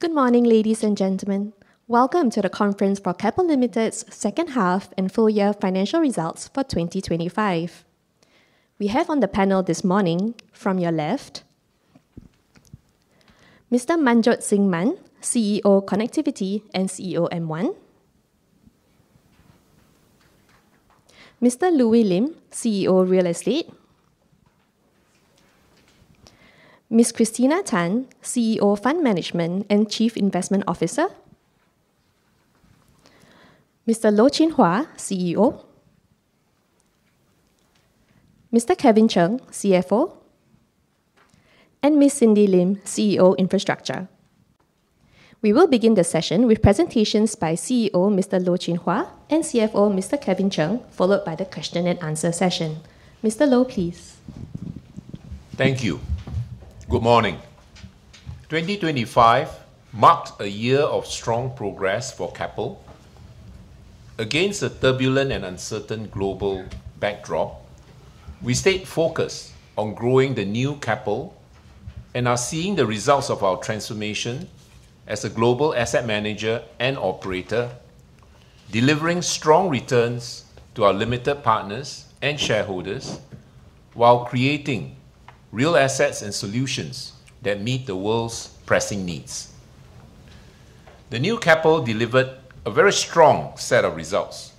Good morning, ladies and gentlemen. Welcome to the conference for Keppel Limited's second half and full year financial results for 2025. We have on the panel this morning, from your left, Mr. Manjot Singh Mann, CEO Connectivity and CEO M1; Mr. Louis Lim, CEO Real Estate; Ms. Christina Tan, CEO Fund Management and Chief Investment Officer; Mr. Loh Chin Hua, CEO; Mr. Kevin Chng, CFO; and Ms. Cindy Lim, CEO Infrastructure. We will begin the session with presentations by CEO, Mr. Loh Chin Hua, and CFO, Mr. Kevin Chng, followed by the question and answer session. Mr. Loh, please. Thank you. Good morning. 2025 marked a year of strong progress for Keppel. Against a turbulent and uncertain global backdrop, we stayed focused on growing the New Keppel and are seeing the results of our transformation as a global asset manager and operator, delivering strong returns to our limited partners and shareholders, while creating real assets and solutions that meet the world's pressing needs. The New Keppel delivered a very strong set of results.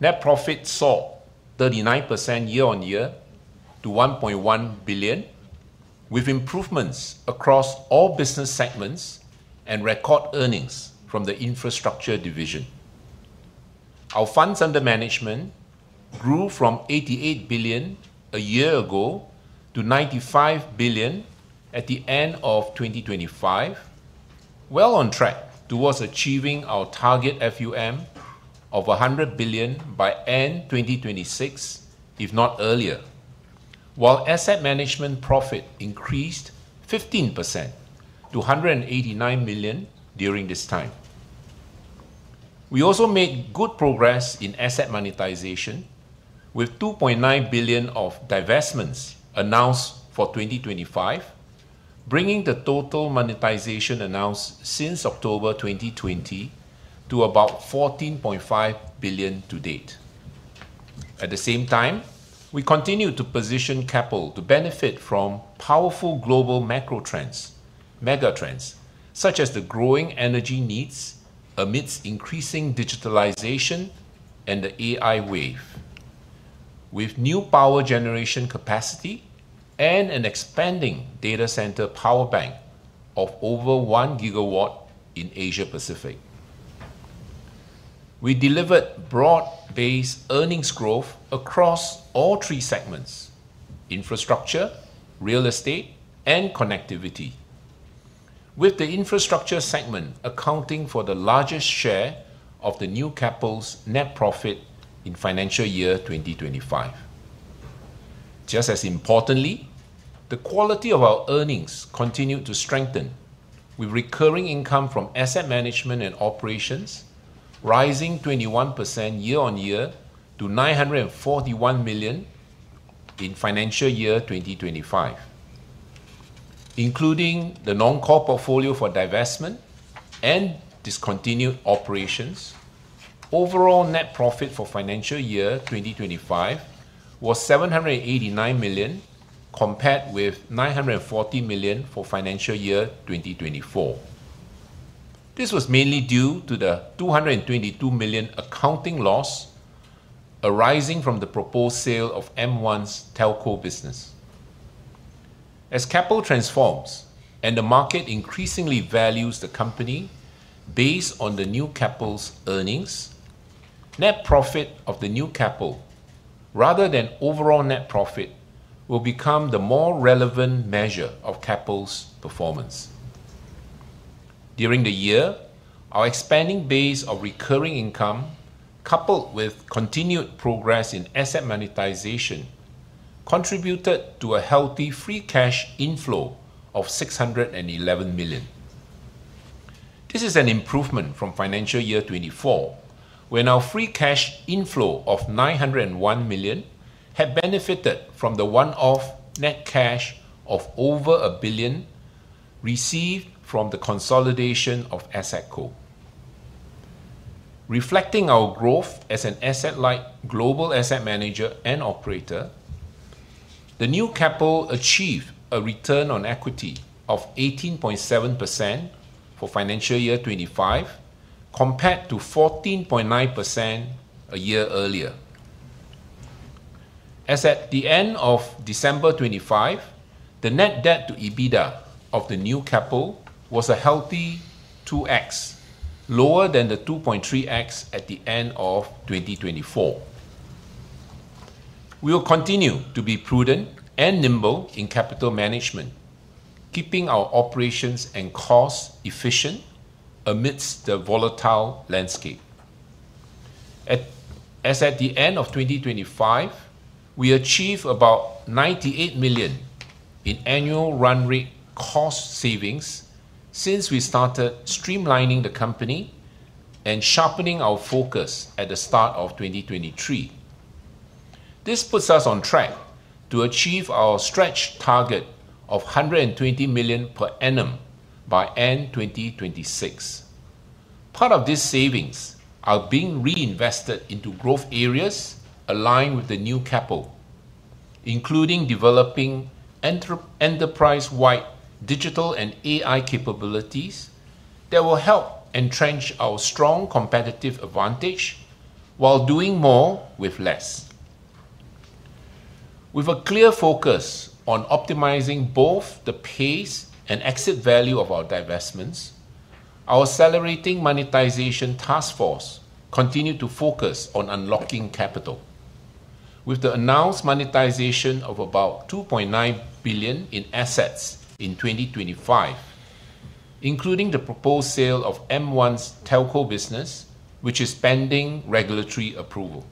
Net profit saw 39% year-on-year to 1.1 billion, with improvements across all business segments and record earnings from the infrastructure division. Our funds under management grew from 88 billion a year ago to 95 billion at the end of 2025, well on track towards achieving our target FUM of 100 billion by end 2026, if not earlier, while asset management profit increased 15% to 189 million during this time. We also made good progress in asset monetization, with 2.9 billion of divestments announced for 2025, bringing the total monetization announced since October 2020 to about 14.5 billion to date. At the same time, we continued to position Keppel to benefit from powerful global macro trends, mega trends, such as the growing energy needs amidst increasing digitalization and the AI wave, with new power generation capacity and an expanding data center power bank of over 1 GW in Asia Pacific. We delivered broad-based earnings growth across all three segments: infrastructure, real estate, and connectivity, with the infrastructure segment accounting for the largest share of the New Keppel's net profit in financial year 2025. Just as importantly, the quality of our earnings continued to strengthen, with recurring income from asset management and operations rising 21% year-on-year to 941 million in financial year 2025, including the non-core portfolio for divestment and discontinued operations. Overall net profit for financial year 2025 was 789 million, compared with 940 million for financial year 2024. This was mainly due to the 222 million accounting loss arising from the proposed sale of M1's telco business. As Keppel transforms and the market increasingly values the company based on the New Keppel's earnings, net profit of the New Keppel, rather than overall net profit, will become the more relevant measure of Keppel's performance. During the year, our expanding base of recurring income, coupled with continued progress in asset monetization, contributed to a healthy free cash inflow of 611 million. This is an improvement from financial year 2024, when our free cash inflow of 901 million had benefited from the one-off net cash of over 1 billion received from the consolidation of Asset Co. Reflecting our growth as an asset-light global asset manager and operator, the New Keppel achieved a return on equity of 18.7% for financial year 2025, compared to 14.9% a year earlier. As at the end of December 2025, the net debt to EBITDA of the New Keppel was a healthy 2x, lower than the 2.3x at the end of 2024. We will continue to be prudent and nimble in capital management, keeping our operations and costs efficient amidst the volatile landscape. As at the end of 2025, we achieved about 98 million in annual run rate cost savings since we started streamlining the company and sharpening our focus at the start of 2023.... This puts us on track to achieve our stretch target of 120 million per annum by end 2026. Part of these savings are being reinvested into growth areas aligned with the New Keppel, including developing enterprise-wide digital and AI capabilities that will help entrench our strong competitive advantage while doing more with less. With a clear focus on optimizing both the pace and exit value of our divestments, our accelerating monetization task force continued to focus on unlocking capital. With the announced monetization of about 2.9 billion in assets in 2025, including the proposed sale of M1's telco business, which is pending regulatory approval.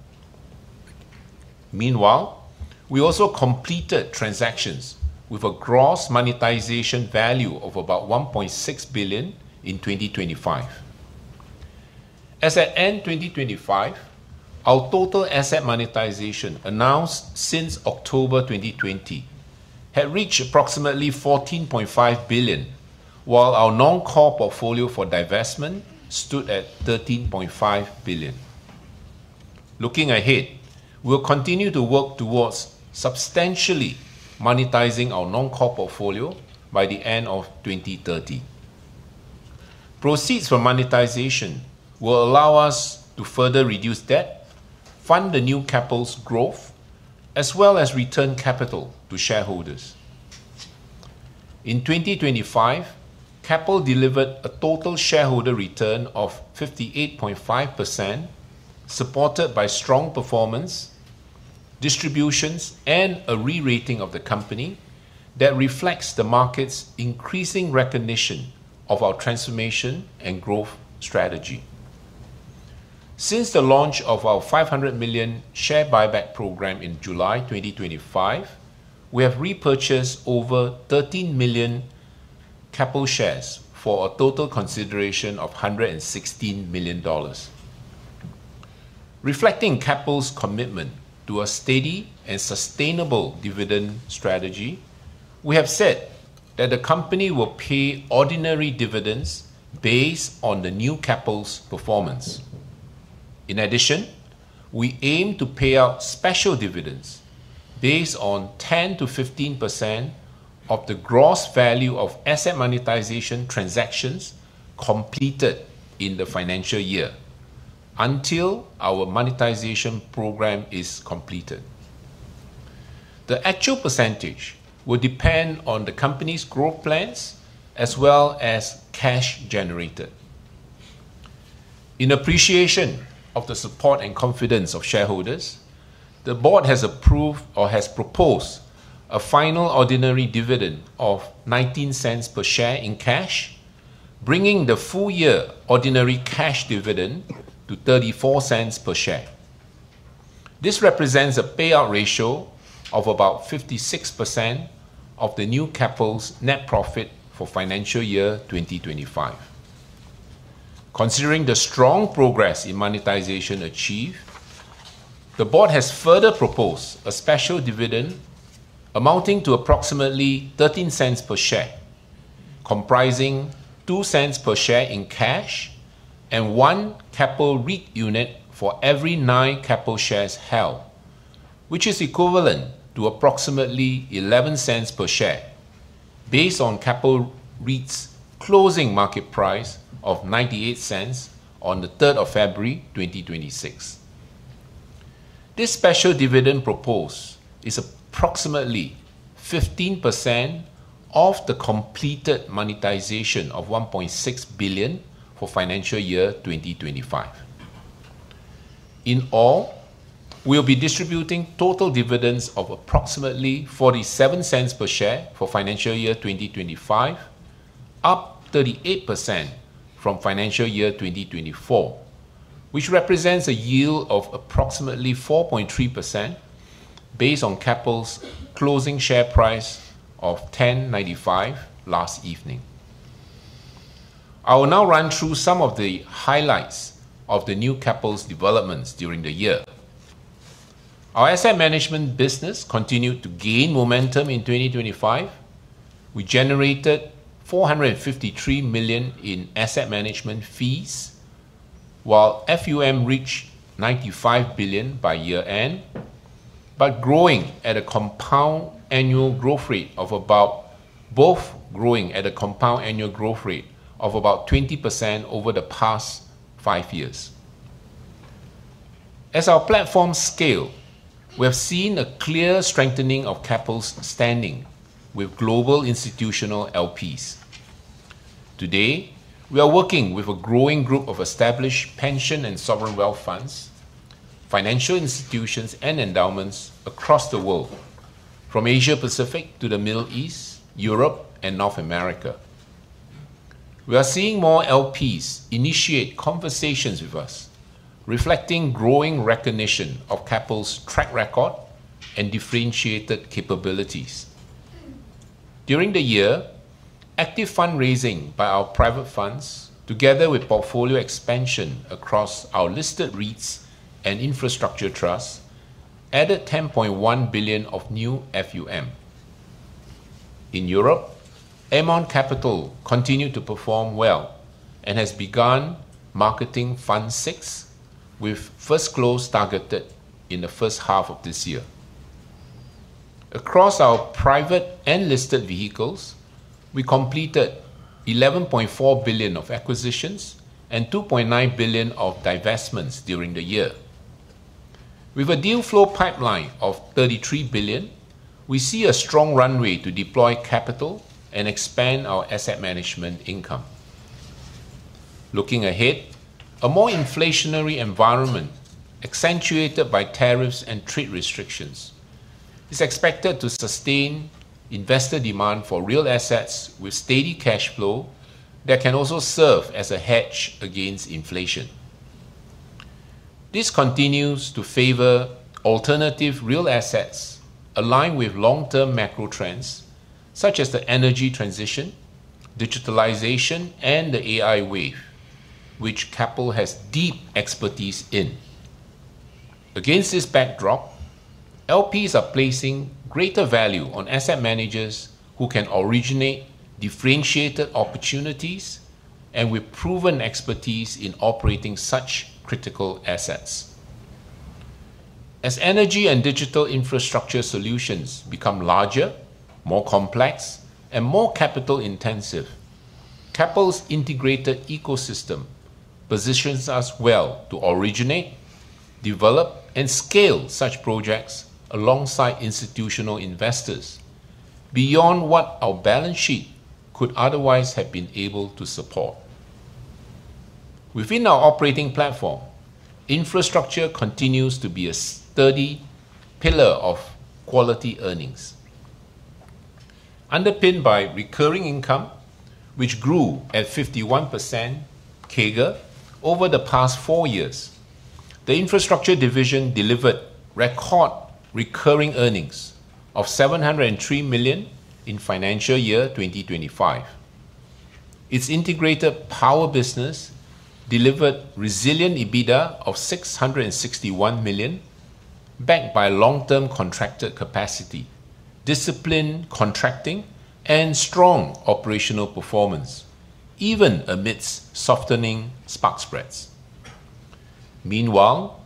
Meanwhile, we also completed transactions with a gross monetization value of about 1.6 billion in 2025. As at end 2025, our total asset monetization announced since October 2020, had reached approximately 14.5 billion, while our non-core portfolio for divestment stood at 13.5 billion. Looking ahead, we'll continue to work towards substantially monetizing our non-core portfolio by the end of 2030. Proceeds from monetization will allow us to further reduce debt, fund the New Keppel's growth, as well as return capital to shareholders. In 2025, Keppel delivered a total shareholder return of 58.5%, supported by strong performance, distributions, and a re-rating of the company that reflects the market's increasing recognition of our transformation and growth strategy. Since the launch of our 500 million share buyback program in July 2025, we have repurchased over 13 million Keppel shares for a total consideration of 116 million dollars. Reflecting Keppel's commitment to a steady and sustainable dividend strategy, we have said that the company will pay ordinary dividends based on the New Keppel's performance. In addition, we aim to pay out special dividends based on 10%-15% of the gross value of asset monetization transactions completed in the financial year, until our monetization program is completed. The actual percentage will depend on the company's growth plans, as well as cash generated. In appreciation of the support and confidence of shareholders, the board has approved or has proposed a final ordinary dividend of 0.19 per share in cash, bringing the full year ordinary cash dividend to 0.34 per share. This represents a payout ratio of about 56% of the New Keppel's net profit for financial year 2025. Considering the strong progress in monetization achieved, the board has further proposed a special dividend amounting to approximately 0.13 per share, comprising 0.02 per share in cash and 1 Keppel REIT unit for every 9 Keppel shares held, which is equivalent to approximately 0.11 per share, based on Keppel REIT's closing market price of 0.98 on the third of February 2026. This special dividend proposed is approximately 15% of the completed monetization of 1.6 billion for financial year 2025. In all, we'll be distributing total dividends of approximately 0.47 per share for financial year 2025, up 38% from financial year 2024, which represents a yield of approximately 4.3% based on Keppel's closing share price of 10.95 last evening. I will now run through some of the highlights of the New Keppel's developments during the year. Our asset management business continued to gain momentum in 2025. We generated 453 million in asset management fees, while FUM reached 95 billion by year-end, but growing at a compound annual growth rate of about both growing at a compound annual growth rate of about 20% over the past 5 years. As our platform scales, we have seen a clear strengthening of Keppel's standing with global institutional LPs. Today, we are working with a growing group of established pension and sovereign wealth funds, financial institutions, and endowments across the world, from Asia Pacific to the Middle East, Europe, and North America. We are seeing more LPs initiate conversations with us, reflecting growing recognition of Keppel's track record and differentiated capabilities.... During the year, active fundraising by our private funds, together with portfolio expansion across our listed REITs and infrastructure trust, added 10.1 billion of new FUM. In Europe, Aermont Capital continued to perform well and has begun marketing Fund VI, with first close targeted in the first half of this year. Across our private and listed vehicles, we completed 11.4 billion of acquisitions and 2.9 billion of divestments during the year. With a deal flow pipeline of 33 billion, we see a strong runway to deploy capital and expand our asset management income. Looking ahead, a more inflationary environment, accentuated by tariffs and trade restrictions, is expected to sustain investor demand for real assets with steady cash flow that can also serve as a hedge against inflation. This continues to favor alternative real assets aligned with long-term macro trends, such as the energy transition, digitalization, and the AI wave, which Keppel has deep expertise in. Against this backdrop, LPs are placing greater value on asset managers who can originate differentiated opportunities and with proven expertise in operating such critical assets. As energy and digital infrastructure solutions become larger, more complex, and more capital intensive, Keppel's integrated ecosystem positions us well to originate, develop, and scale such projects alongside institutional investors beyond what our balance sheet could otherwise have been able to support. Within our operating platform, infrastructure continues to be a sturdy pillar of quality earnings. Underpinned by recurring income, which grew at 51% CAGR over the past four years, the infrastructure division delivered record recurring earnings of 703 million in financial year 2025. Its Integrated Power business delivered resilient EBITDA of 661 million, backed by long-term contracted capacity, disciplined contracting, and strong operational performance, even amidst softening spark spreads. Meanwhile,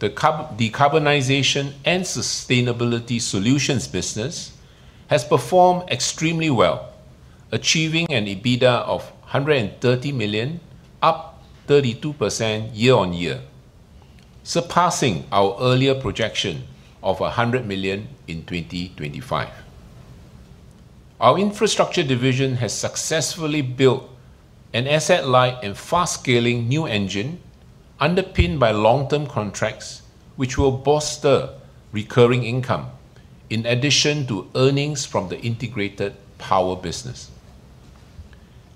the Decarbonisation and Sustainability Solutions business has performed extremely well, achieving an EBITDA of 130 million, up 32% year-on-year, surpassing our earlier projection of 100 million in 2025. Our infrastructure division has successfully built an asset-light and fast-scaling new engine underpinned by long-term contracts, which will bolster recurring income in addition to earnings from the Integrated Power business.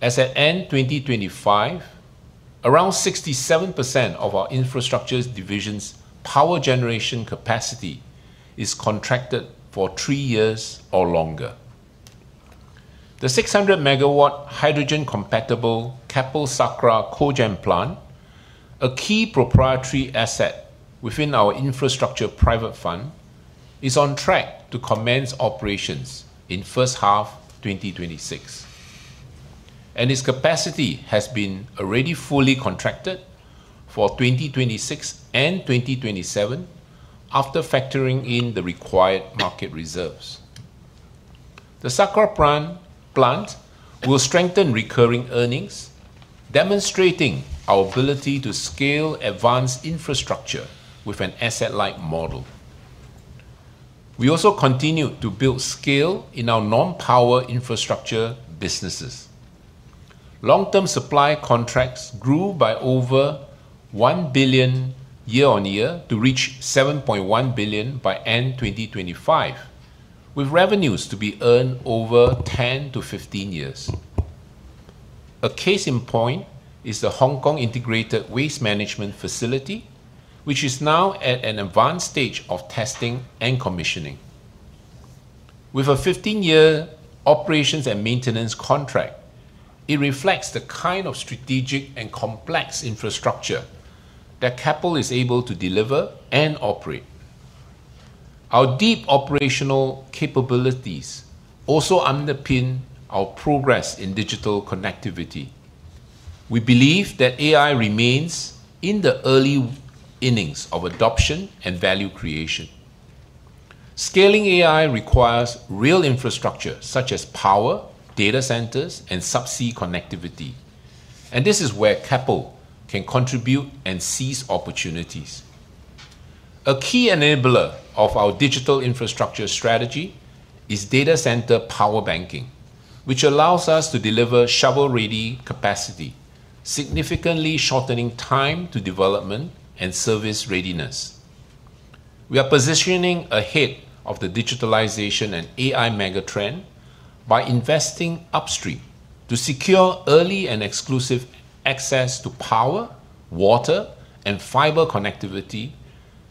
As at end 2025, around 67% of our infrastructure division's power generation capacity is contracted for three years or longer. The 600-megawatt hydrogen-compatible Keppel Sakra Cogen Plant, a key proprietary asset within our infrastructure private fund, is on track to commence operations in first half 2026, and its capacity has been already fully contracted for 2026 and 2027 after factoring in the required market reserves. The Sakra plant will strengthen recurring earnings, demonstrating our ability to scale advanced infrastructure with an asset-light model. We also continue to build scale in our non-power infrastructure businesses. Long-term supply contracts grew by over 1 billion year-over-year to reach 7.1 billion by end 2025, with revenues to be earned over 10-15 years. A case in point is the Hong Kong Integrated Waste Management Facility, which is now at an advanced stage of testing and commissioning. With a 15-year operations and maintenance contract, it reflects the kind of strategic and complex infrastructure that Keppel is able to deliver and operate. Our deep operational capabilities also underpin our progress in digital connectivity. We believe that AI remains in the early innings of adoption and value creation. Scaling AI requires real infrastructure, such as power, data centers, and subsea connectivity, and this is where Keppel can contribute and seize opportunities. A key enabler of our digital infrastructure strategy is data center power banking, which allows us to deliver shovel-ready capacity, significantly shortening time to development and service readiness. We are positioning ahead of the digitalization and AI mega trend by investing upstream to secure early and exclusive access to power, water, and fiber connectivity…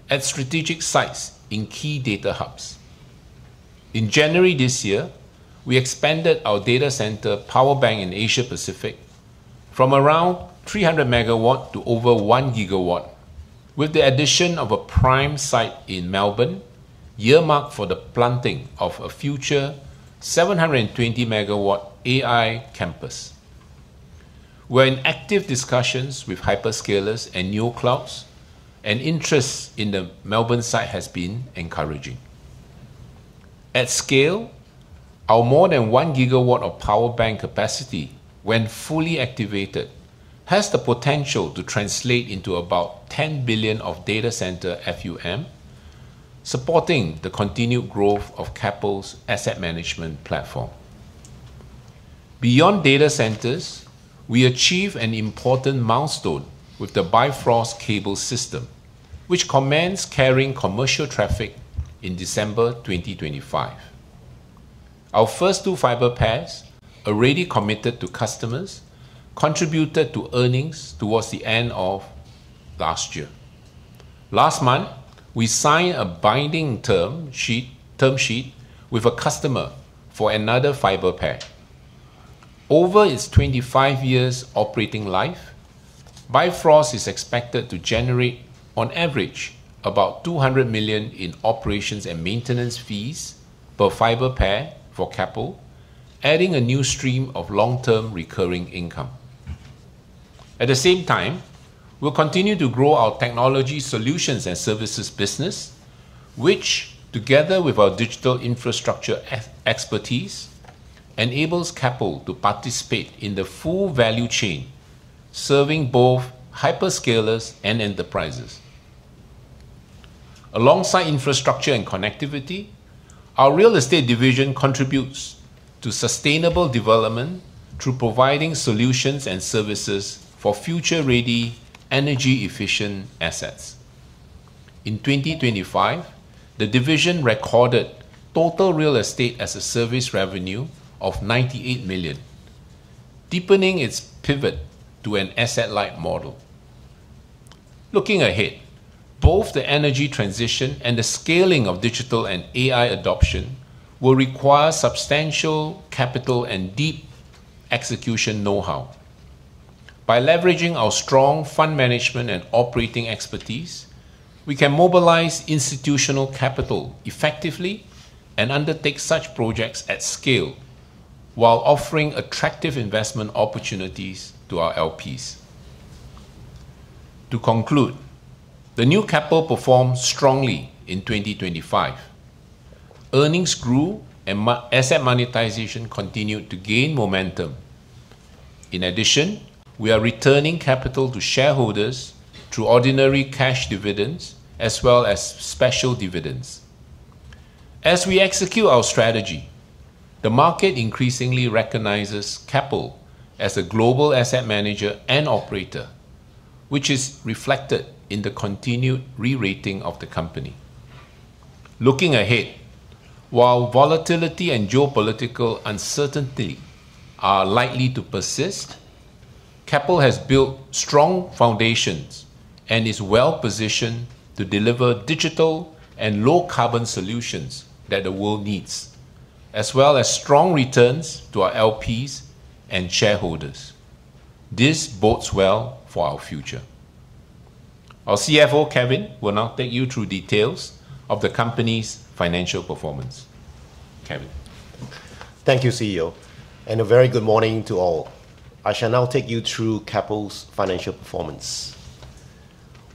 at strategic sites in key data hubs. In January this year, we expanded our data center power bank in Asia Pacific from around 300 MW to over 1 GW, with the addition of a prime site in Melbourne, earmarked for the planting of a future 720 MW AI campus. We're in active discussions with hyperscalers and new clouds, and interest in the Melbourne site has been encouraging. At scale, our more than 1 gigawatt of power bank capacity, when fully activated, has the potential to translate into about $10 billion of data center FUM, supporting the continued growth of Keppel's asset management platform. Beyond data centers, we achieved an important milestone with the Bifrost Cable System, which commenced carrying commercial traffic in December 2025. Our first 2 fiber pairs, already committed to customers, contributed to earnings towards the end of last year. Last month, we signed a binding term sheet with a customer for another fiber pair. Over its 25 years operating life, Bifrost is expected to generate, on average, about $200 million in operations and maintenance fees per fiber pair for Keppel, adding a new stream of long-term recurring income. At the same time, we'll continue to grow our technology solutions and services business, which, together with our digital infrastructure expertise, enables Keppel to participate in the full value chain, serving both hyperscalers and enterprises. Alongside infrastructure and connectivity, our real estate division contributes to sustainable development through providing solutions and services for future-ready, energy-efficient assets. In 2025, the division recorded total real estate as a service revenue of 98 million, deepening its pivot to an asset-light model. Looking ahead, both the energy transition and the scaling of digital and AI adoption will require substantial capital and deep execution know-how. By leveraging our strong fund management and operating expertise, we can mobilize institutional capital effectively and undertake such projects at scale, while offering attractive investment opportunities to our LPs. To conclude, the New Keppel performed strongly in 2025. Earnings grew, and asset monetization continued to gain momentum. In addition, we are returning capital to shareholders through ordinary cash dividends, as well as special dividends. As we execute our strategy, the market increasingly recognizes Keppel as a global asset manager and operator, which is reflected in the continued re-rating of the company. Looking ahead, while volatility and geopolitical uncertainty are likely to persist, Keppel has built strong foundations and is well-positioned to deliver digital and low-carbon solutions that the world needs, as well as strong returns to our LPs and shareholders. This bodes well for our future. Our CFO, Kevin, will now take you through details of the company's financial performance. Kevin? Thank you, CEO, and a very good morning to all. I shall now take you through Keppel's financial performance.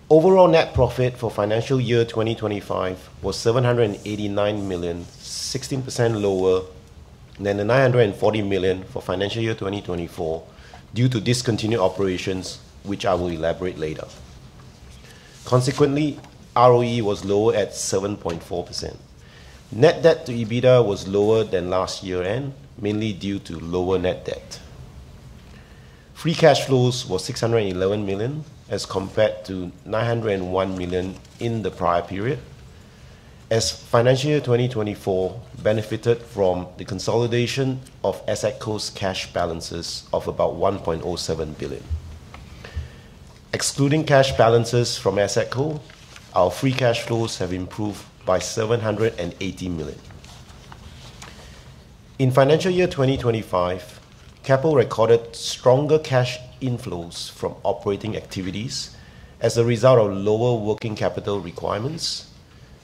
Overall net profit for financial year 2025 was 789 million, 16% lower than the 940 million for financial year 2024, due to discontinued operations, which I will elaborate later. Consequently, ROE was lower at 7.4%. Net debt to EBITDA was lower than last year-end, mainly due to lower net debt. Free cash flows was 611 million, as compared to 901 million in the prior period, as financial year 2024 benefited from the consolidation of Asset Co's cash balances of about 1.07 billion. Excluding cash balances from Asset Co, our free cash flows have improved by 780 million. In financial year 2025, Keppel recorded stronger cash inflows from operating activities as a result of lower working capital requirements,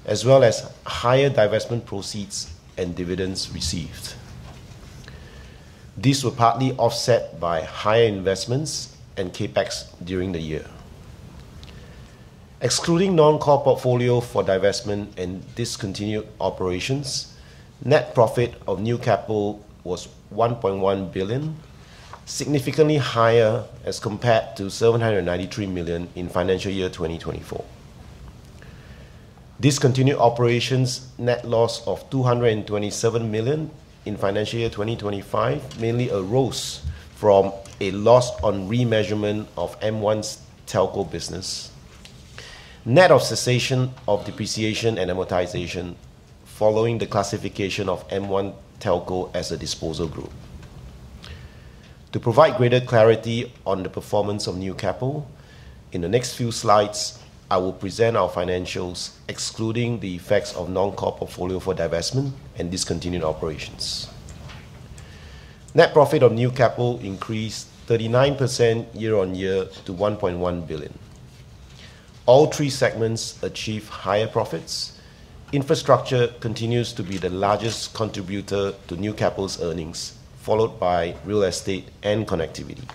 as well as higher divestment proceeds and dividends received. These were partly offset by higher investments and CapEx during the year. Excluding non-core portfolio for divestment and discontinued operations, net profit of New Keppel was 1.1 billion, significantly higher as compared to 793 million in financial year 2024. Discontinued operations net loss of 227 million in financial year 2025 mainly arose from a loss on remeasurement of M1's telco business. Net of cessation of depreciation and amortization following the classification of M1 Telco as a disposal group.... To provide greater clarity on the performance of New Keppel, in the next few slides, I will present our financials excluding the effects of non-core portfolio for divestment and discontinued operations. Net profit of New Keppel increased 39% year-on-year to 1.1 billion. All 3 segments achieved higher profits. Infrastructure continues to be the largest contributor to New Keppel's earnings, followed by real estate and connectivity.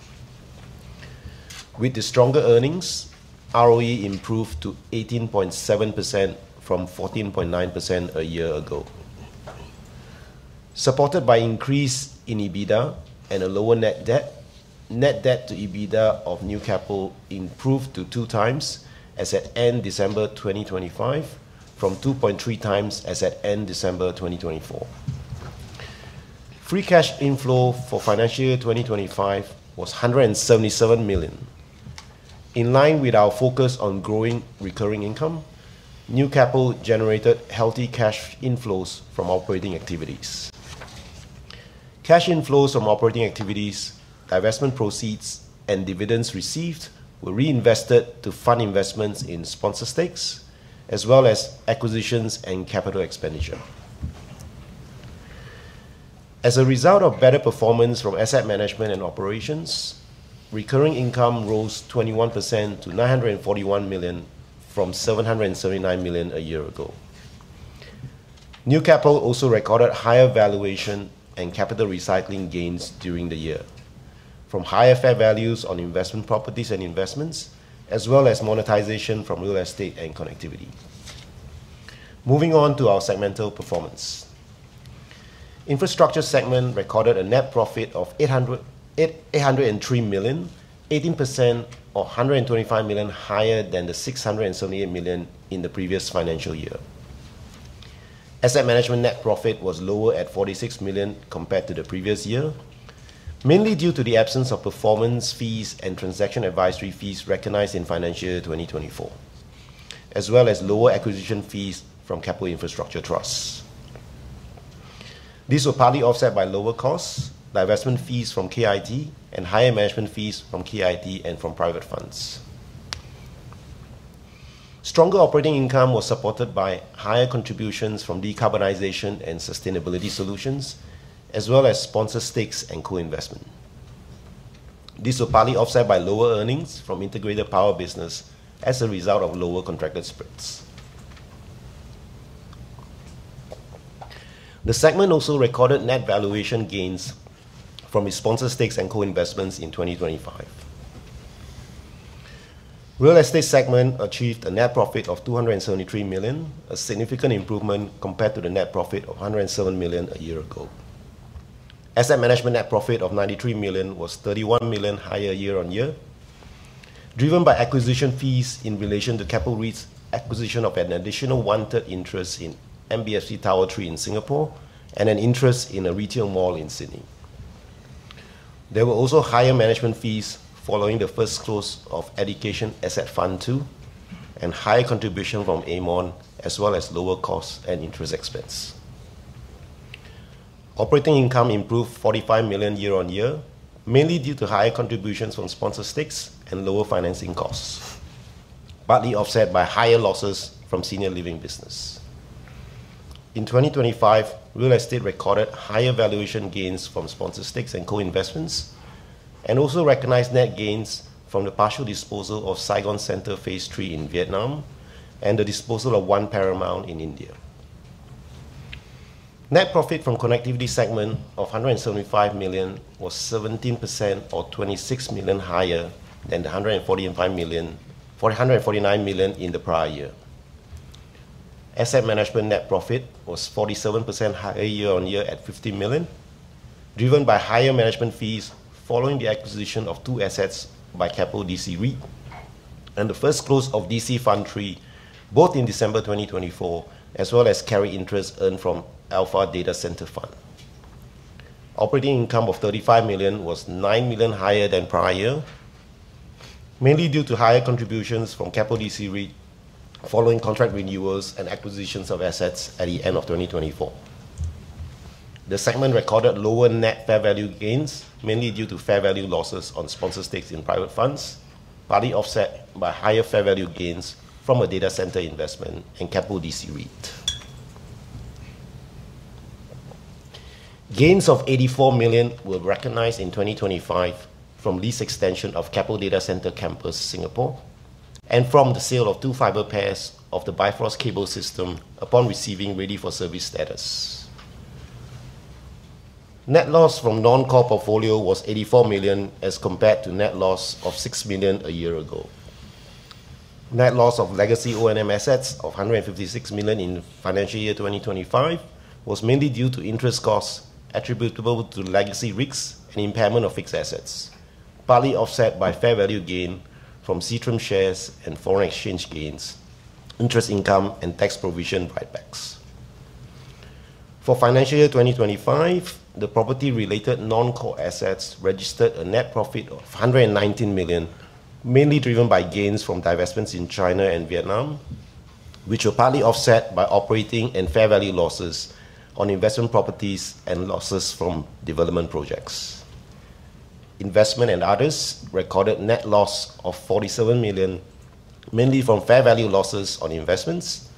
With the stronger earnings, ROE improved to 18.7% from 14.9% a year ago. Supported by increase in EBITDA and a lower net debt, net debt to EBITDA of New Keppel improved to 2x as at end December 2025, from 2.3x as at end December 2024. Free cash inflow for financial year 2025 was 177 million. In line with our focus on growing recurring income, New Keppel generated healthy cash inflows from operating activities. Cash inflows from operating activities, divestment proceeds, and dividends received were reinvested to fund investments in sponsor stakes, as well as acquisitions and capital expenditure. As a result of better performance from asset management and operations, recurring income rose 21% to 941 million from 779 million a year ago. New Keppel also recorded higher valuation and capital recycling gains during the year, from higher fair values on investment properties and investments, as well as monetization from real estate and connectivity. Moving on to our segmental performance. Infrastructure segment recorded a net profit of 803 million, 18%, or 125 million higher than the 678 million in the previous financial year. Asset management net profit was lower at 46 million compared to the previous year, mainly due to the absence of performance fees and transaction advisory fees recognized in financial year 2024, as well as lower acquisition fees from Keppel Infrastructure Trust. This was partly offset by lower costs, divestment fees from KIT, and higher management fees from KIT and from private funds. Stronger operating income was supported by higher contributions from Decarbonisation and Sustainability Solutions, as well as sponsor stakes and co-investment. This was partly offset by lower earnings from Integrated Power business as a result of lower contracted spreads. The segment also recorded net valuation gains from its sponsor stakes and co-investments in 2025. Real estate segment achieved a net profit of 273 million, a significant improvement compared to the net profit of 107 million a year ago. Asset management net profit of 93 million was 31 million higher year-on-year, driven by acquisition fees in relation to Keppel REIT's acquisition of an additional one-third interest in MBFC Tower 3 in Singapore, and an interest in a retail mall in Sydney. There were also higher management fees following the first close of Education Asset Fund II, and higher contribution from Aermont, as well as lower costs and interest expense. Operating income improved 45 million year-on-year, mainly due to higher contributions from sponsor stakes and lower financing costs, partly offset by higher losses from senior living business. In 2025, real estate recorded higher valuation gains from sponsor stakes and co-investments, and also recognized net gains from the partial disposal of Saigon Centre Phase Three in Vietnam, and the disposal of One Paramount in India. Net profit from connectivity segment of 175 million was 17%, or 26 million, higher than the 149 million--449 million in the prior year. Asset Management net profit was 47% higher year-on-year at 50 million, driven by higher management fees following the acquisition of two assets by Keppel DC REIT, and the first close of DC Fund III, both in December 2024, as well as carry interest earned from Alpha Data Centre Fund. Operating income of 35 million was 9 million higher than prior year, mainly due to higher contributions from Keppel DC REIT following contract renewals and acquisitions of assets at the end of 2024. The segment recorded lower net fair value gains, mainly due to fair value losses on sponsor stakes in private funds, partly offset by higher fair value gains from a data center investment in Keppel DC REIT. Gains of 84 million were recognized in 2025 from lease extension of Keppel Data Centre Campus Singapore, and from the sale of two fiber pairs of the Bifrost Cable System upon receiving ready-for-service status. Net loss from non-core portfolio was 84 million, as compared to net loss of 6 million a year ago. Net loss of legacy O&M assets of 156 million in financial year 2025 was mainly due to interest costs attributable to legacy rigs and impairment of fixed assets, partly offset by fair value gain from Seatrium shares and foreign exchange gains, interest income, and tax provision write-backs. For financial year 2025, the property-related non-core assets registered a net profit of 119 million, mainly driven by gains from divestments in China and Vietnam, which were partly offset by operating and fair value losses on investment properties and losses from development projects. Investment and others recorded net loss of 47 million, mainly from fair value losses on investments,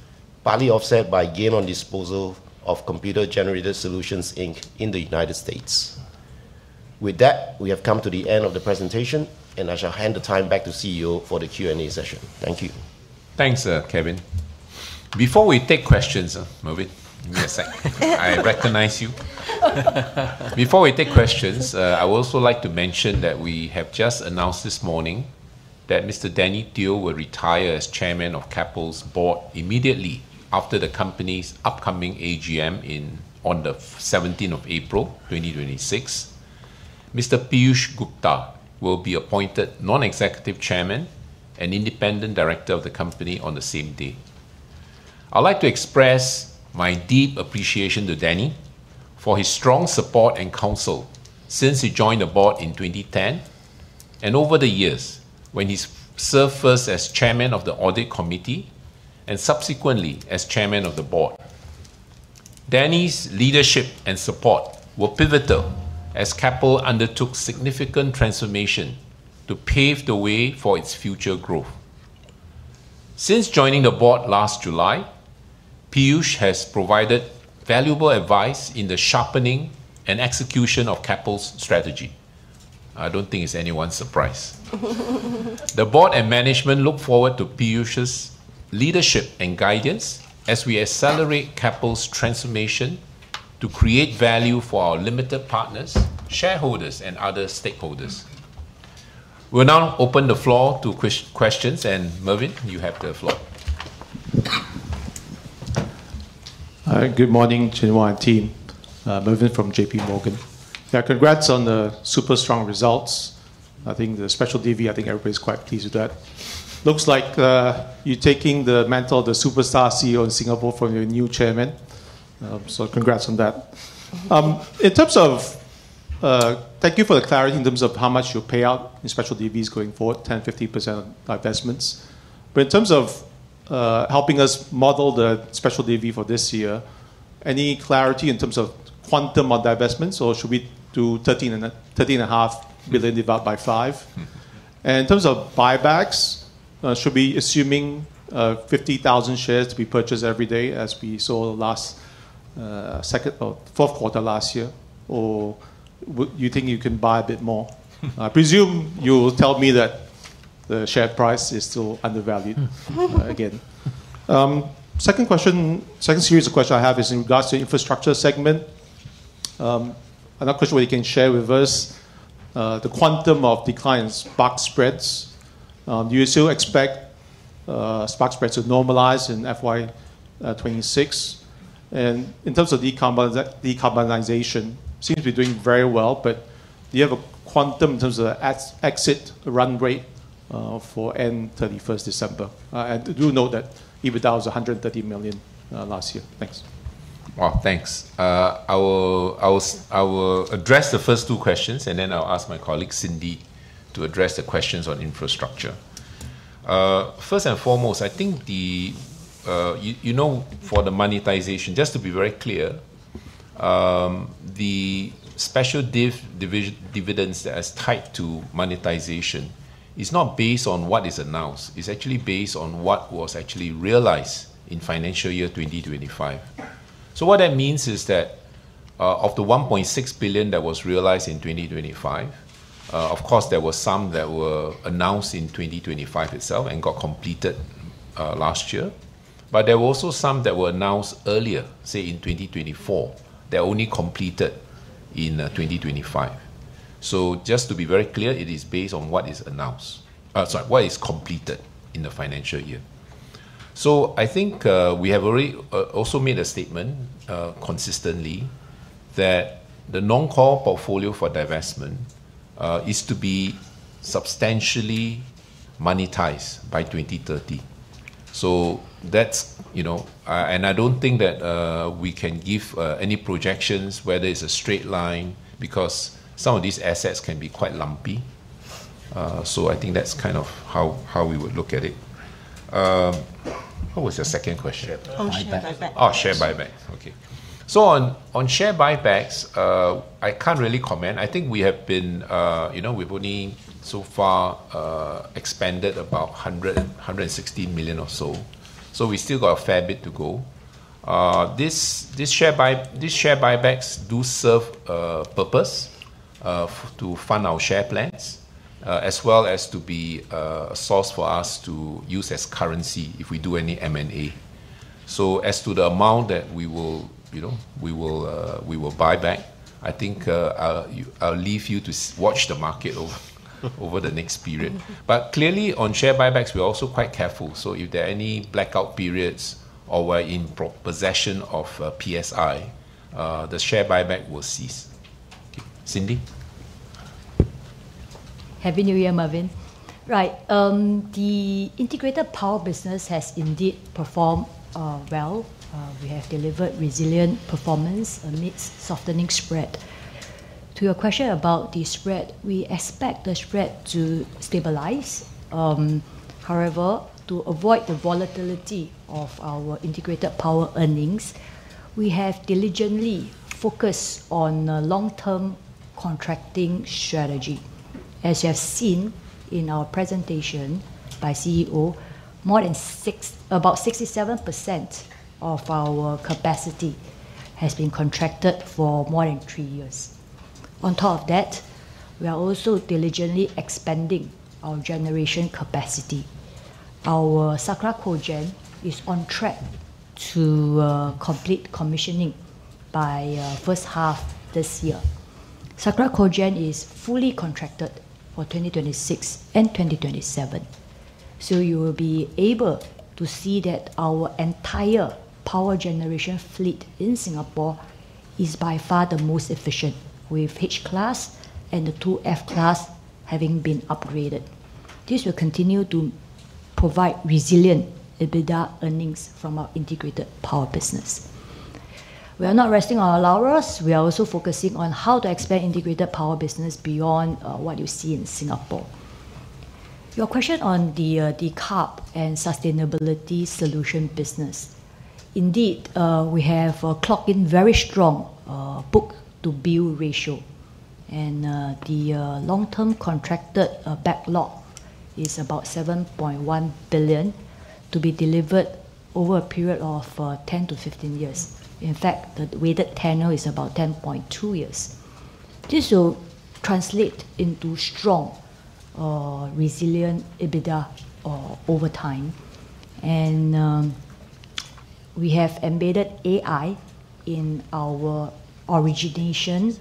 partly offset by gain on disposal of Computer Generated Solutions Inc. in the United States. With that, we have come to the end of the presentation, and I shall hand the time back to CEO for the Q&A session. Thank you. Thanks, Kevin. Before we take questions, Mervyn, give me a sec. I recognize you. Before we take questions, I would also like to mention that we have just announced this morning that Mr. Danny Teoh will retire as Chairman of Keppel's board immediately after the company's upcoming AGM in, on the seventeenth of April 2026. Mr. Piyush Gupta will be appointed non-executive Chairman and independent director of the company on the same day. I'd like to express my deep appreciation to Danny for his strong support and counsel since he joined the board in 2010, and over the years, when he served first as Chairman of the audit committee and subsequently as Chairman of the board. Danny's leadership and support were pivotal as Keppel undertook significant transformation to pave the way for its future growth. Since joining the board last July, Piyush has provided valuable advice in the sharpening and execution of Keppel's strategy. I don't think it's anyone's surprise. The board and management look forward to Piyush's leadership and guidance as we accelerate Keppel's transformation to create value for our limited partners, shareholders, and other stakeholders. We'll now open the floor to questions, and Mervyn, you have the floor. All right. Good morning, Chin Hua and team. Mervyn from JPMorgan. Yeah, congrats on the super strong results. I think the special Div, I think everybody's quite pleased with that. Looks like, you're taking the mantle of the superstar CEO in Singapore from your new chairman, so congrats on that. In terms of... Thank you for the clarity in terms of how much you'll pay out in special Divs going forward, 10%-15% on divestments. But in terms of, helping us model the special Div for this year, any clarity in terms of quantum of divestments, or should we do 13.5 billion divided by five? Mm. In terms of buybacks, should we be assuming 50,000 shares to be purchased every day as we saw last second or fourth quarter last year, or you think you can buy a bit more? I presume you will tell me that the share price is still undervalued- Mm. Again. Second question, second series of question I have is in regards to infrastructure segment. Another question where you can share with us, the quantum of decline in spark spreads. Do you still expect, spark spreads to normalize in FY 2026? And in terms of decarbonization, seems to be doing very well, but do you have a quantum in terms of the exit run rate, for end 31st December? And I do know that EBITDA was 130 million last year. Thanks. Wow, thanks. I will address the first two questions, and then I'll ask my colleague, Cindy, to address the questions on infrastructure. First and foremost, I think the, you know, for the monetization, just to be very clear, the special dividends as tied to monetization is not based on what is announced. It's actually based on what was actually realized in financial year 2025. So what that means is that, of the 1.6 billion that was realized in 2025, of course, there were some that were announced in 2025 itself and got completed last year, but there were also some that were announced earlier, say, in 2024, that only completed in 2025. So just to be very clear, it is based on what is completed in the financial year. So I think, we have already, also made a statement, consistently, that the non-core portfolio for divestment, is to be substantially monetized by 2030. So that's, you know... And I don't think that, we can give, any projections whether it's a straight line, because some of these assets can be quite lumpy. So I think that's kind of how we would look at it. What was your second question? Share buyback. Oh, share buybacks. Okay. So on share buybacks, I can't really comment. I think we have been... You know, we've only so far expanded about 116 million or so. So we still got a fair bit to go. These share buybacks do serve a purpose, to fund our share plans, as well as to be a source for us to use as currency if we do any M&A. So as to the amount that we will, you know, we will buy back, I think, I'll leave you to watch the market over the next period. But clearly, on share buybacks, we are also quite careful. So if there are any blackout periods or we're in possession of PSI, the share buyback will cease. Okay. Cindy? Happy New Year, Mervyn. Right, the Integrated Power business has indeed performed well. We have delivered resilient performance amidst softening spark spreads. To your question about the spread, we expect the spread to stabilize. However, to avoid the volatility of our Integrated Power earnings, we have diligently focused on a long-term contracting strategy. As you have seen in our presentation by CEO, more than about 67% of our capacity has been contracted for more than 3 years. On top of that, we are also diligently expanding our generation capacity. Our Sakra Cogen is on track to complete commissioning by first half this year. Sakra Cogen is fully contracted for 2026 and 2027, so you will be able to see that our entire power generation fleet in Singapore is by far the most efficient, with H-class and the two F-class having been upgraded. This will continue to provide resilient EBITDA earnings from our Integrated Power business. We are not resting on our laurels. We are also focusing on how to expand Integrated Power business beyond what you see in Singapore. Your question on the carbon and sustainability solution business. Indeed, we have clocked in very strong book-to-bill ratio, and the long-term contracted backlog is about 7.1 billion to be delivered over a period of 10-15 years. In fact, the weighted tenure is about 10.2 years. This will translate into strong resilient EBITDA over time, and we have embedded AI in our origination,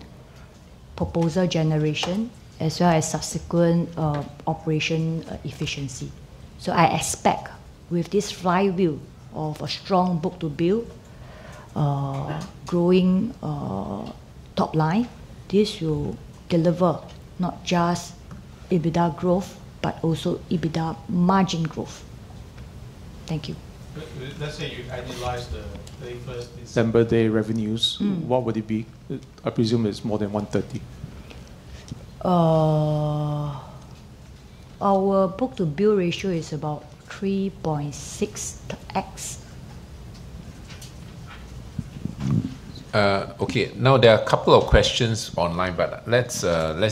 proposal generation, as well as subsequent operation efficiency. So I expect with this flywheel of a strong book-to-bill growing top line, this will deliver not just EBITDA growth, but also EBITDA margin growth. Thank you. Let's say you annualize the 31st December day revenues- Mm. What would it be? I presume it's more than 130. Our book-to-bill ratio is about 3.6x. Okay, now there are a couple of questions online, but let's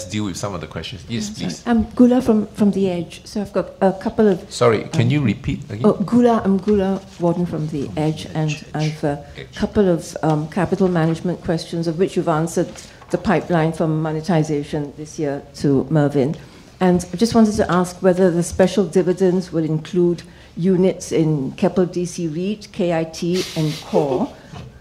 deal with some of the questions. Yes, please. I'm Goola from The Edge. So I've got a couple of- Sorry, can you repeat again? Oh, Goola. I'm Goola Warden from The Edge- Edge And I've a couple of capital management questions, of which you've answered the pipeline from monetization this year to Mervyn. And I just wanted to ask whether the special dividends will include units in Keppel DC REIT, KIT and KORE?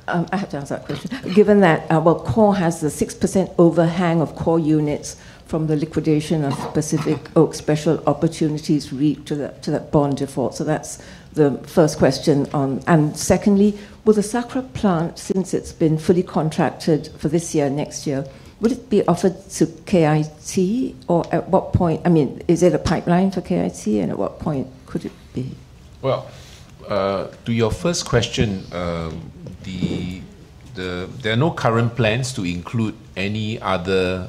I have to ask that question, given that, well, KORE has the 6% overhang of KORE units from the liquidation of Pacific Oak Strategic Opportunity REIT to that, to that bond default. So that's the first question. And secondly, will the Sakra plant, since it's been fully contracted for this year and next year, will it be offered to KIT, or at what point... I mean, is it a pipeline for KIT, and at what point could it be? Well, to your first question, there are no current plans to include any other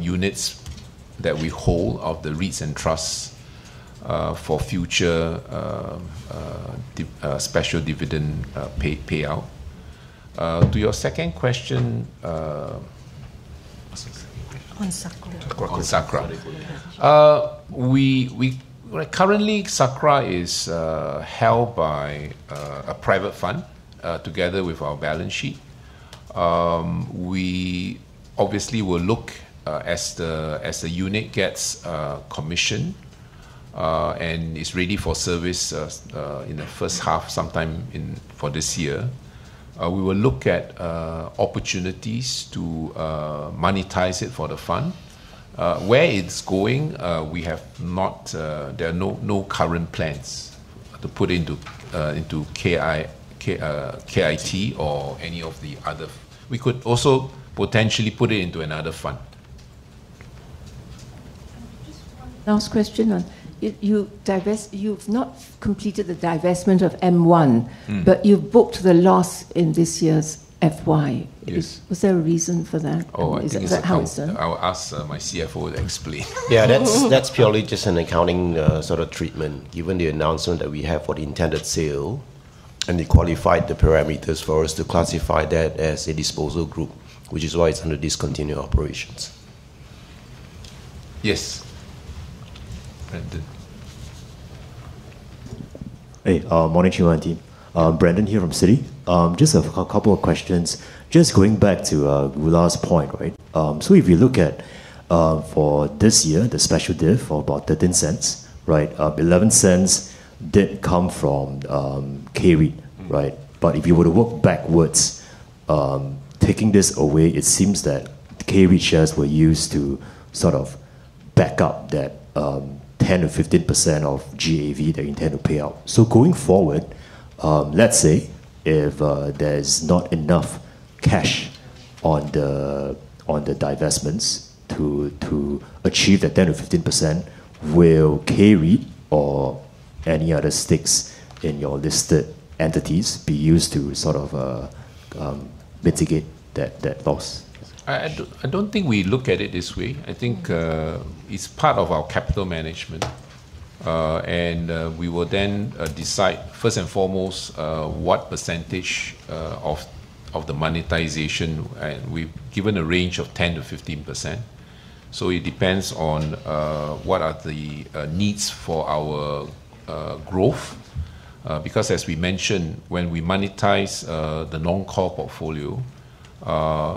units that we hold of the REITs and trusts for future special dividend payout. To your second question, what's this? On SAKRA. On SAKRA. We currently, SAKRA is held by a private fund together with our balance sheet. We obviously will look as the unit gets commissioned and is ready for service in the first half, sometime in for this year. We will look at opportunities to monetize it for the fund. Where it's going, we have not... there are no current plans to put into KI, KIT or any of the other... We could also potentially put it into another fund. Just one last question. You've not completed the divestment of M1- Mm. But you've booked the loss in this year's FY. Yes. Was there a reason for that? Oh, I think it's accounting. Is it held for sale? I'll ask my CFO to explain. Yeah, that's, that's purely just an accounting sort of treatment. Given the announcement that we have for the intended sale and they qualified the parameters for us to classify that as a disposal group, which is why it's under discontinued operations. Yes. Brandon. Hey, morning to you, team. Brandon here from Citi. Just a couple of questions. Just going back to Goola's point, right? So if you look at for this year, the special div of about 0.13, right? 0.11 did come from K REIT, right? Mm. But if you were to work backwards, taking this away, it seems that K REIT shares were used to sort of back up that 10%-15% of GAV, the intended payout. So going forward, let's say if there's not enough cash on the divestments to achieve that 10%-15%, will K REIT or any other stakes in your listed entities be used to sort of mitigate that, that loss? I don't think we look at it this way. I think it's part of our capital management, and we will then decide, first and foremost, what percentage of the monetization, and we've given a range of 10%-15%. So it depends on what are the needs for our growth. Because as we mentioned, when we monetize the non-core portfolio,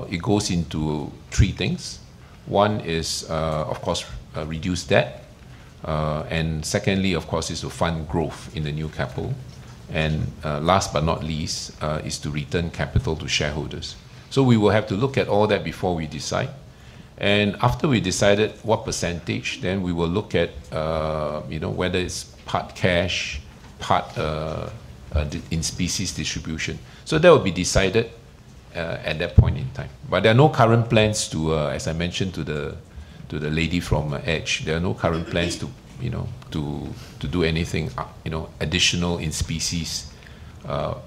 it goes into three things. One is, of course, reduce debt. And secondly, of course, is to fund growth in the new capital. And last but not least is to return capital to shareholders. So we will have to look at all that before we decide. After we decided what percentage, then we will look at, you know, whether it's part cash, part in specie distribution. That will be decided at that point in time. But there are no current plans to... As I mentioned to the lady from The Edge, there are no current plans to, you know, to do anything additional in specie,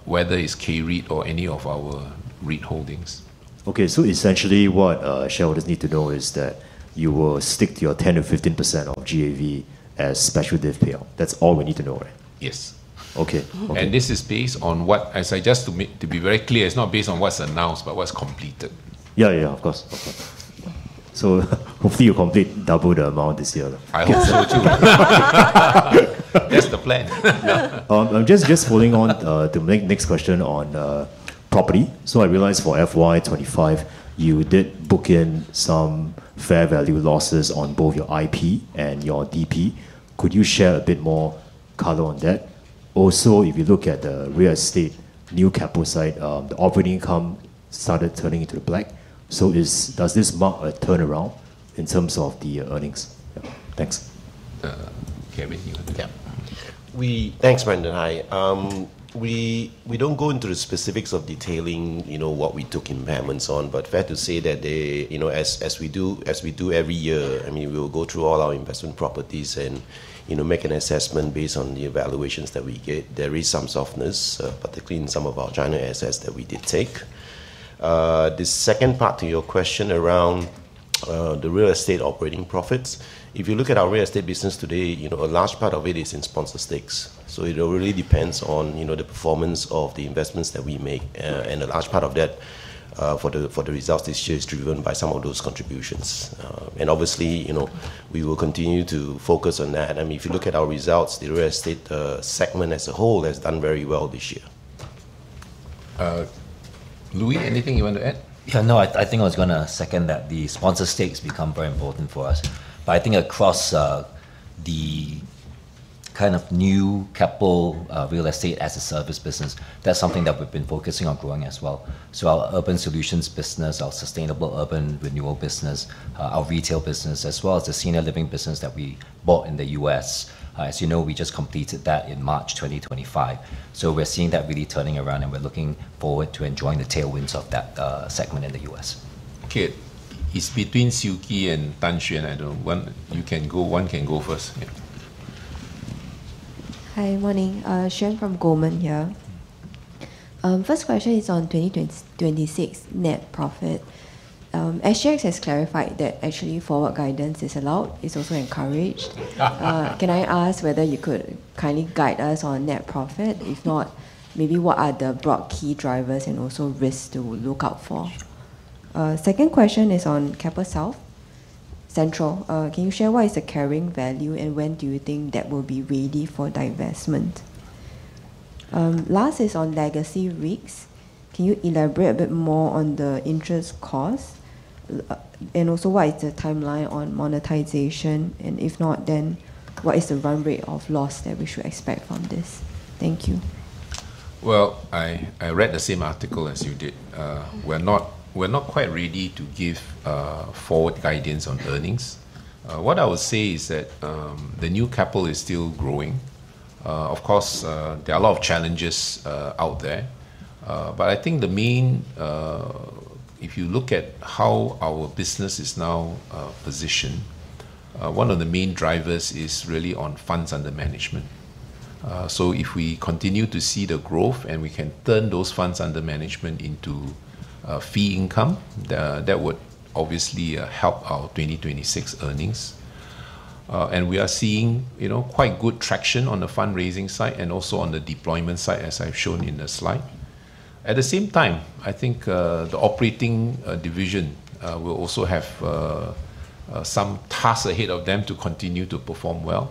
whether it's K-REIT or any of our REIT holdings. Okay, so essentially, what shareholders need to know is that you will stick to your 10%-15% of GAV as special div payout. That's all we need to know, right? Yes. Okay. Okay. This is based on what. As I just to be very clear, it's not based on what's announced, but what's completed. Yeah, yeah, of course. So hopefully you complete double the amount this year. I hope so, too. That's the plan. I'm holding on to make the next question on property. So I realized for FY25, you did book in some fair value losses on both your IP and your DP. Could you share a bit more color on that? Also, if you look at the real estate, new capital side, the operating income started turning into the black. Does this mark a turnaround in terms of the earnings? Yeah. Thanks. Kevin, you want to- Yeah. Thanks, Brandon. Hi. We don't go into the specifics of detailing, you know, what we took impairment on, but fair to say that they, you know, as we do every year, I mean, we will go through all our investment properties and, you know, make an assessment based on the evaluations that we get. There is some softness, particularly in some of our China assets that we did take. The second part to your question around, the real estate operating profits, if you look at our real estate business today, you know, a large part of it is in sponsor stakes. So it really depends on, you know, the performance of the investments that we make. And a large part of that, for the results this year is driven by some of those contributions. Obviously, you know, we will continue to focus on that. I mean, if you look at our results, the real estate segment as a whole has done very well this year. Louis, anything you want to add? Yeah, no, I think I was gonna second that. The sponsor stakes become very important for us. But I think across, the kind of new capital, real estate as a service business, that's something that we've been focusing on growing as well. So our urban solutions business, our Sustainable Urban Renewal business, our retail business, as well as the senior living business that we bought in the U.S., as you know, we just completed that in March 2025. So we're seeing that really turning around, and we're looking forward to enjoying the tailwinds of that, segment in the U.S. Okay. It's between Siew Khee and Xuan Tan, I don't... One, you can go, one can go first. Yeah. Hi. Morning. Xuan from Goldman here. First question is on 2026 net profit. SGX has clarified that actually forward guidance is allowed, it's also encouraged. Can I ask whether you could kindly guide us on net profit? If not, maybe what are the broad key drivers and also risks to look out for? Second question is on Keppel South Central. Can you share what is the carrying value, and when do you think that will be ready for divestment? Last is on legacy rigs. Can you elaborate a bit more on the interest costs? And also, what is the timeline on monetization, and if not, then what is the run rate of loss that we should expect from this? Thank you. Well, I read the same article as you did. We're not quite ready to give forward guidance on earnings. What I would say is that the new capital is still growing. Of course, there are a lot of challenges out there. But I think the main... If you look at how our business is now positioned, one of the main drivers is really on funds under management. So if we continue to see the growth, and we can turn those funds under management into fee income, that would obviously help our 2026 earnings. And we are seeing, you know, quite good traction on the fundraising side and also on the deployment side, as I've shown in the slide. At the same time, I think, the operating division will also have some tasks ahead of them to continue to perform well.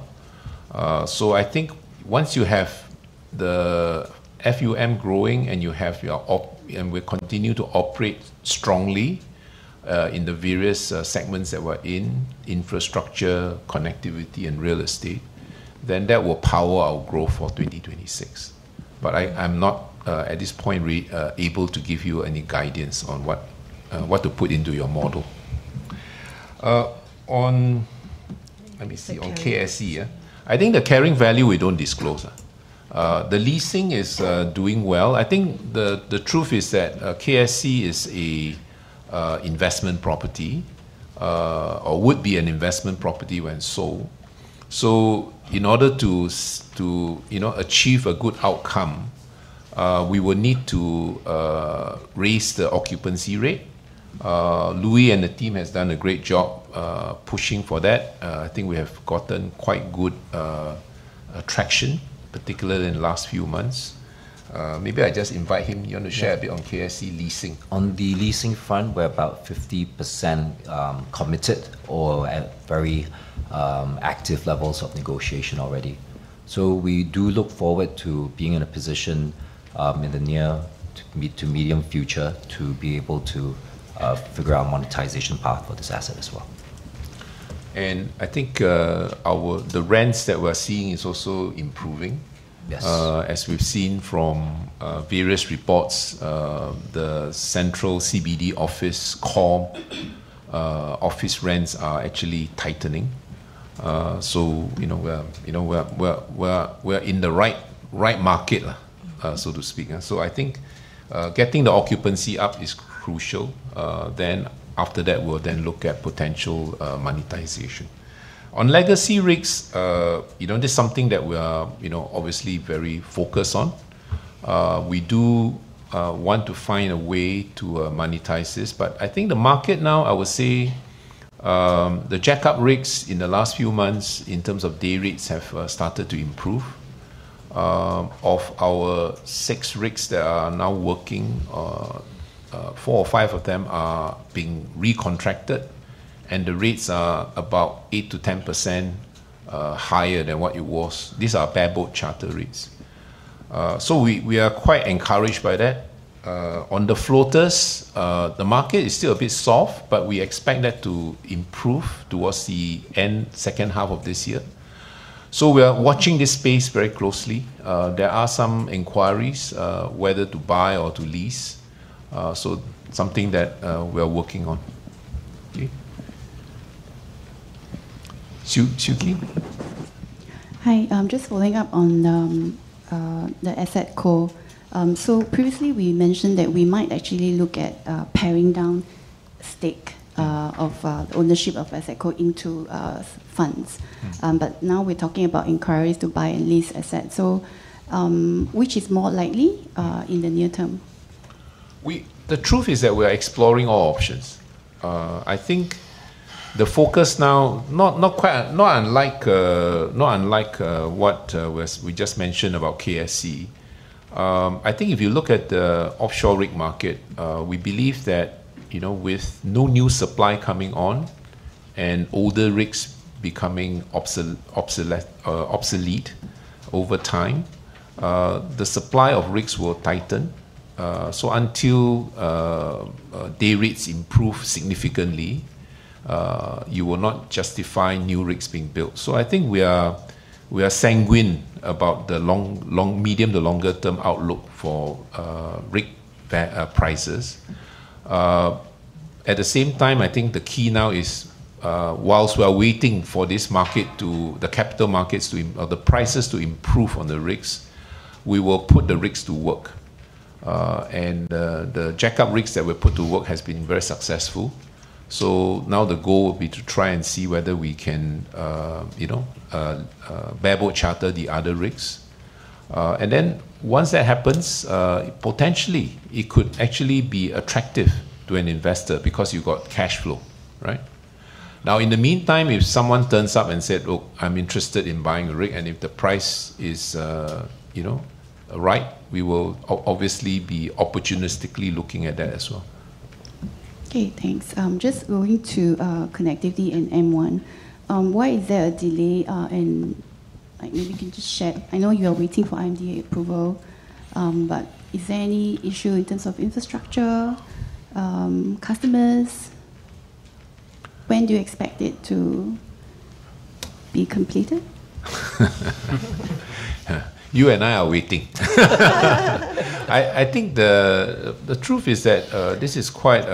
So I think once you have the FUM growing and you have your and we continue to operate strongly, in the various segments that we're in, infrastructure, connectivity, and real estate, then that will power our growth for 2026. But I'm not, at this point, able to give you any guidance on what, what to put into your model. On... Let me see- The carrying On KSC, yeah. I think the carrying value, we don't disclose that. The leasing is doing well. I think the truth is that KSC is investment property or would be an investment property when sold. So in order to, you know, achieve a good outcome, we will need to raise the occupancy rate. Louis and the team has done a great job pushing for that. I think we have gotten quite good traction, particularly in the last few months. Maybe I just invite him. You want to share- Yeah A bit on KSC leasing? On the leasing front, we're about 50% committed or at very active levels of negotiation already. So we do look forward to being in a position, in the near to mid-to-medium future to be able to figure out a monetization path for this asset as well. I think, the rents that we're seeing is also improving. Yes. As we've seen from various reports, the central CBD office core office rents are actually tightening. So, you know, we're, you know, we're in the right market- Mm So to speak. So I think, getting the occupancy up is crucial. Then after that, we'll then look at potential, monetization. On legacy rigs, you know, this is something that we are, you know, obviously very focused on. We do want to find a way to monetize this, but I think the market now, I would say, the jackup rigs in the last few months in terms of day rates have started to improve. Of our 6 rigs that are now working, 4 or 5 of them are being recontracted, and the rates are about 8%-10% higher than what it was. These are bare boat charter rates. So we, we are quite encouraged by that. On the floaters, the market is still a bit soft, but we expect that to improve towards the end second half of this year. So we are watching this space very closely. There are some inquiries, whether to buy or to lease, so something that, we are working on. Okay. Siew Khee? Hi, just following up on the Asset Co. So previously, we mentioned that we might actually look at paring down stake of ownership of Asset Co into funds. Mm. But now we're talking about inquiries to buy and lease assets. So, which is more likely in the near term? The truth is that we are exploring all options. I think the focus now not unlike what we just mentioned about KSC. I think if you look at the offshore rig market, we believe that, you know, with no new supply coming on and older rigs becoming obsolete over time, the supply of rigs will tighten. So until day rates improve significantly, you will not justify new rigs being built. So I think we are sanguine about the long, medium to longer-term outlook for rig prices. At the same time, I think the key now is whilst we are waiting for this market to... The capital markets to, or the prices to improve on the rigs, we will put the rigs to work. The jackup rigs that were put to work has been very successful. So now the goal will be to try and see whether we can, you know, bare boat charter the other rigs. And then once that happens, potentially, it could actually be attractive to an investor because you've got cash flow, right? Now, in the meantime, if someone turns up and said, "Look, I'm interested in buying a rig," and if the price is, you know, right, we will obviously be opportunistically looking at that as well. Okay, thanks. Just going to connectivity and M1. Why is there a delay, and, like, maybe you can just share... I know you are waiting for IMDA approval, but is there any issue in terms of infrastructure, customers? When do you expect it to be completed? Yeah. You and I are waiting. I think the truth is that this is quite,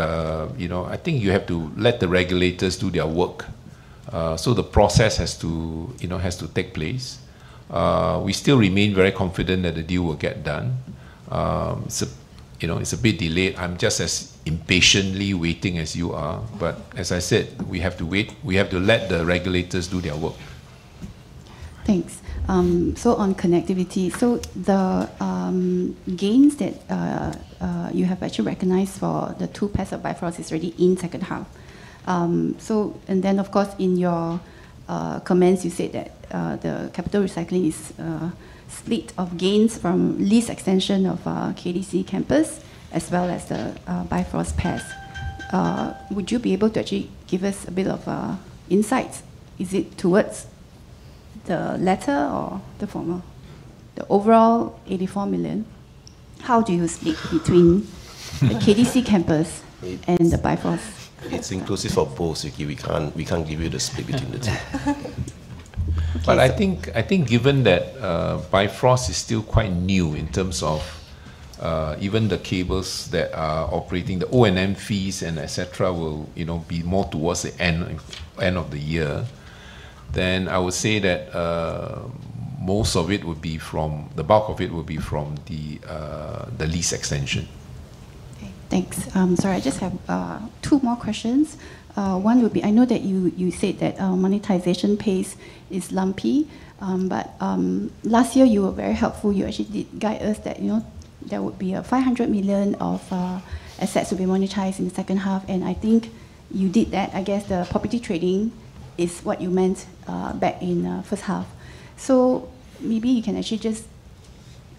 you know. I think you have to let the regulators do their work. So the process has to, you know, has to take place. We still remain very confident that the deal will get done. So, you know, it's a bit delayed. I'm just as impatiently waiting as you are, but as I said, we have to wait. We have to let the regulators do their work. Thanks. So on connectivity, so the gains that you have actually recognized for the two paths of Bifrost is already in second half. So and then, of course, in your comments, you said that the capital recycling is split of gains from lease extension of KDC Campus, as well as the Bifrost paths. Would you be able to actually give us a bit of insights? Is it towards the latter or the former? The overall $84 million, how do you split between the KDC Campus and the Bifrost? It's inclusive of both, Siew Khee. We can't give you the split between the two. But I think, I think given that, Bifrost is still quite new in terms of, even the cables that are operating, the O&M fees and et cetera will, you know, be more towards the end, end of the year. Then I would say that, most of it would be from—the bulk of it will be from the, the lease extension. Okay, thanks. Sorry, I just have two more questions. One would be, I know that you said that monetization pace is lumpy, but last year you were very helpful. You actually did guide us that, you know, there would be 500 million of assets to be monetized in the second half, and I think you did that. I guess the property trading is what you meant back in first half. So maybe you can actually just,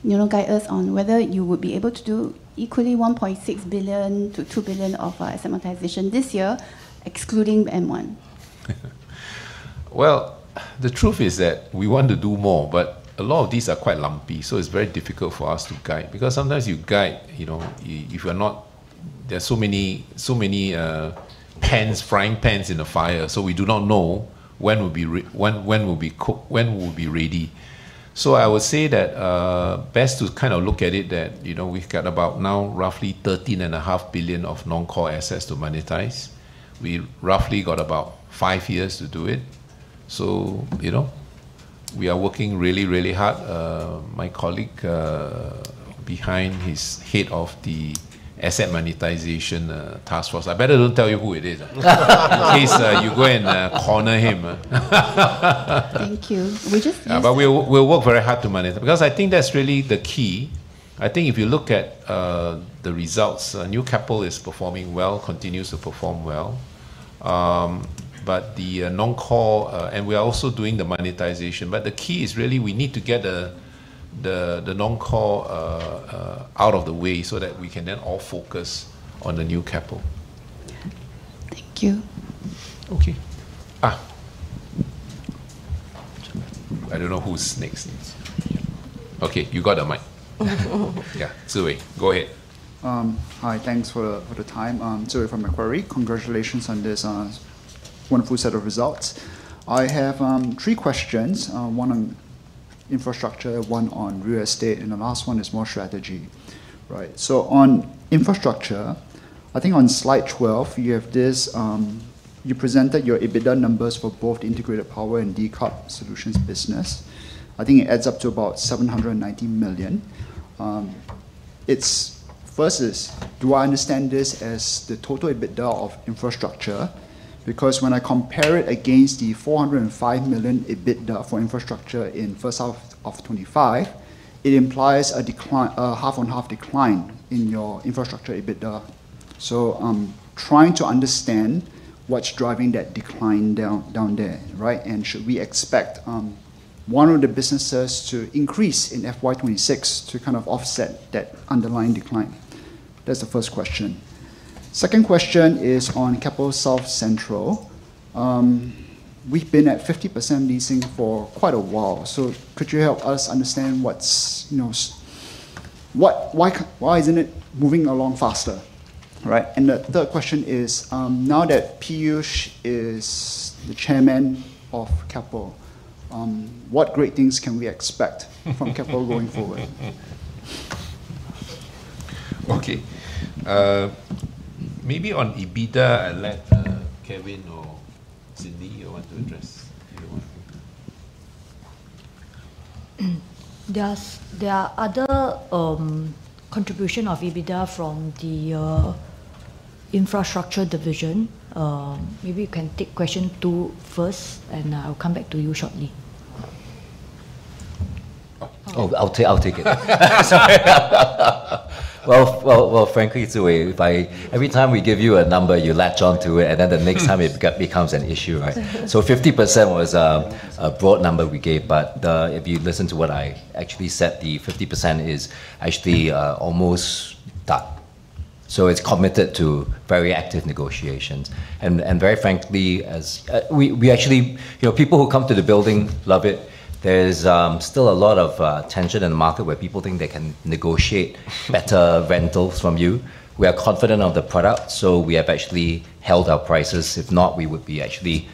you know, guide us on whether you would be able to do equally 1.6 billion-2 billion of asset monetization this year, excluding M1. Well, the truth is that we want to do more, but a lot of these are quite lumpy, so it's very difficult for us to guide. Because sometimes you guide, you know, if you're not... There are so many, so many pans, frying pans in the fire, so we do not know when we'll be ready. So I would say that, best to kind of look at it that, you know, we've got about now roughly 13.5 billion of non-core assets to monetize. We've roughly got about 5 years to do it, so, you know, we are working really, really hard. My colleague behind, he's head of the asset monetization task force. I better don't tell you who it is, huh? In case you go and corner him. Thank you. Would you please- Yeah, but we'll work very hard to monetize, because I think that's really the key. I think if you look at the results, New Keppel is performing well, continues to perform well. But the non-core... We are also doing the monetization. But the key is really we need to get the non-core out of the way so that we can then all focus on the New Keppel. Thank you. Okay. I don't know who's next. Okay, you got the mic. Oh. Yeah, Zhiwei, go ahead. Hi, thanks for the time. I'm Zhiwei from Macquarie. Congratulations on this wonderful set of results. I have three questions, one on infrastructure, one on real estate, and the last one is more strategy. Right, so on infrastructure, I think on slide 12, you have this, you presented your EBITDA numbers for both Integrated Power and Decarb Solutions business. I think it adds up to about 790 million. It's... First, do I understand this as the total EBITDA of infrastructure? Because when I compare it against the 405 million EBITDA for infrastructure in first half of 2025, it implies a decline, a half-on-half decline in your infrastructure EBITDA. So I'm trying to understand what's driving that decline down there, right? And should we expect one of the businesses to increase in FY26 to kind of offset that underlying decline? That's the first question. Second question is on Keppel South Central. We've been at 50% leasing for quite a while, so could you help us understand what's, you know, why isn't it moving along faster, right? And the third question is, now that Piyush is the chairman of Keppel, what great things can we expect from Keppel going forward? Okay. Maybe on EBITDA, I'll let Kevin or Cindy you want to address, if you want. There are other contributions of EBITDA from the infrastructure division. Maybe you can take question two first, and I'll come back to you shortly. Oh, I'll take, I'll take it. Sorry. Well, well, well, frankly, Zhiwei, every time we give you a number, you latch onto it, and then the next time it becomes an issue, right? So 50% was a broad number we gave, but if you listen to what I actually said, the 50% is actually almost done. So it's committed to very active negotiations. And very frankly, as we actually... You know, people who come to the building love it. There's still a lot of tension in the market where people think they can negotiate better rentals from you. We are confident of the product, so we have actually held our prices. If not, we would be actually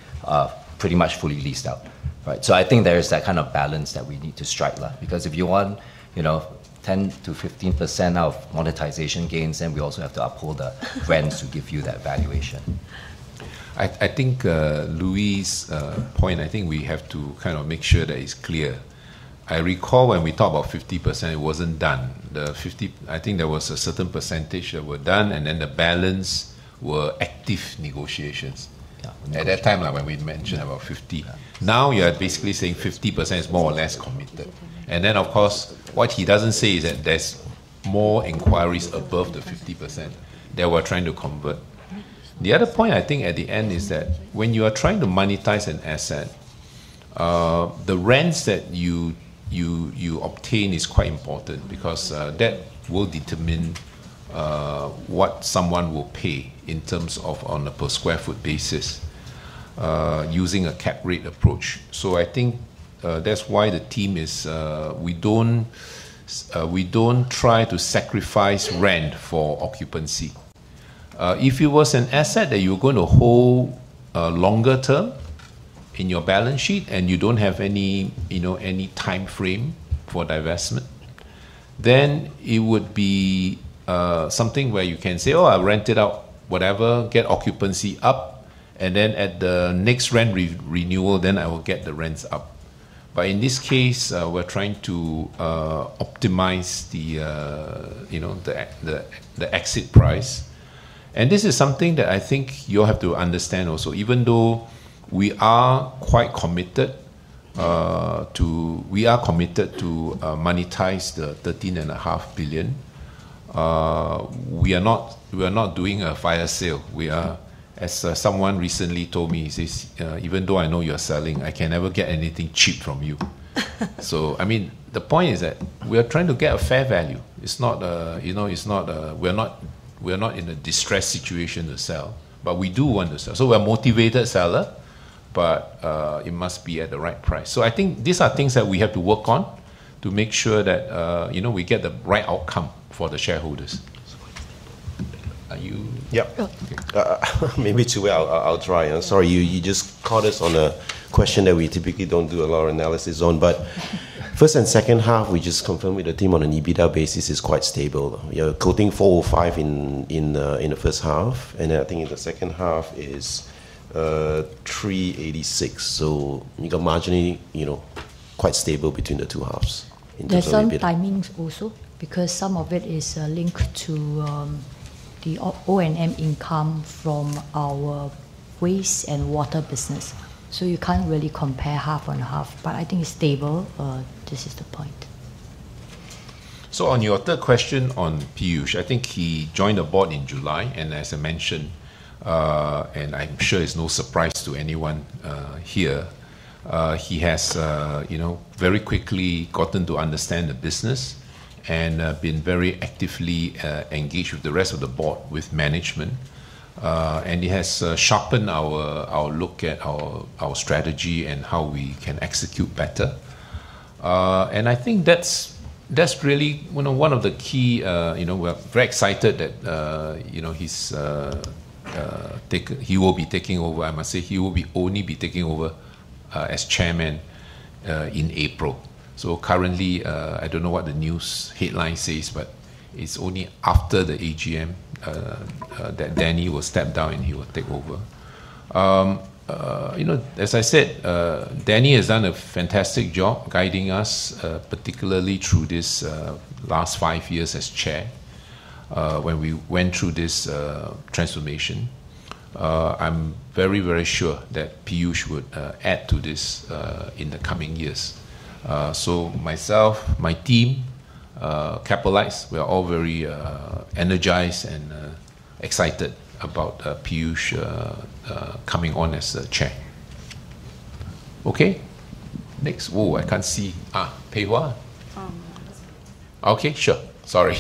pretty much fully leased out, right? So I think there is that kind of balance that we need to strike there. Because if you want, you know, 10%-15% of monetization gains, then we also have to uphold the rents to give you that valuation. I think Louis' point. I think we have to kind of make sure that it's clear. I recall when we talked about 50%, it wasn't done. I think there was a certain percentage that were done, and then the balance were active negotiations- Yeah At that time, when we mentioned about 50. Yeah. Now, you are basically saying 50% is more or less committed. And then, of course, what he doesn't say is that there's more inquiries above the 50% that we're trying to convert. The other point, I think, at the end, is that when you are trying to monetize an asset, the rents that you obtain is quite important because, that will determine, what someone will pay in terms of on a per sq ft basis, using a cap rate approach. So I think, that's why the team is... we don't try to sacrifice rent for occupancy. If it was an asset that you're going to hold, longer term in your balance sheet, and you don't have any, you know, any timeframe for divestment-... Then it would be something where you can say, "Oh, I'll rent it out, whatever, get occupancy up, and then at the next rent renewal, then I will get the rents up." But in this case, we're trying to optimize the, you know, the exit price, and this is something that I think you'll have to understand also. Even though we are quite committed to monetize the 13.5 billion, we are not doing a fire sale. We are, as someone recently told me, he says, "Even though I know you are selling, I can never get anything cheap from you." So, I mean, the point is that we are trying to get a fair value. It's not, you know, it's not—we're not, we're not in a distressed situation to sell, but we do want to sell. So we're a motivated seller, but it must be at the right price. So I think these are things that we have to work on to make sure that, you know, we get the right outcome for the shareholders. Are you- Yep. Oh. Maybe I'll try. I'm sorry, you just caught us on a question that we typically don't do a lot of analysis on. But first and second half, we just confirmed with the team on an EBITDA basis is quite stable. We are quoting 405 in the first half, and then I think in the second half is 386. So the margining, you know, quite stable between the two halves in terms of EBITDA. There are some timings also, because some of it is linked to the O&M income from our waste and water business, so you can't really compare half on half. But I think it's stable, this is the point. So on your third question on Piyush, I think he joined the board in July, and as I mentioned, and I'm sure it's no surprise to anyone here, he has, you know, very quickly gotten to understand the business and been very actively engaged with the rest of the board, with management. And he has sharpened our look at our strategy and how we can execute better. And I think that's really one of the key... You know, we're very excited that, you know, he's take- he will be taking over. I must say, he will be only be taking over as chairman in April. So currently, I don't know what the news headline says, but it's only after the AGM that Danny will step down, and he will take over. You know, as I said, Danny has done a fantastic job guiding us, particularly through this last five years as chair, when we went through this transformation. I'm very, very sure that Piyush would add to this in the coming years. So myself, my team, CapitaLand, we are all very energized and excited about Piyush coming on as the chair. Okay? Next. Oh, I can't see. Ah, Pei Hwa. Um. Okay, sure. Sorry.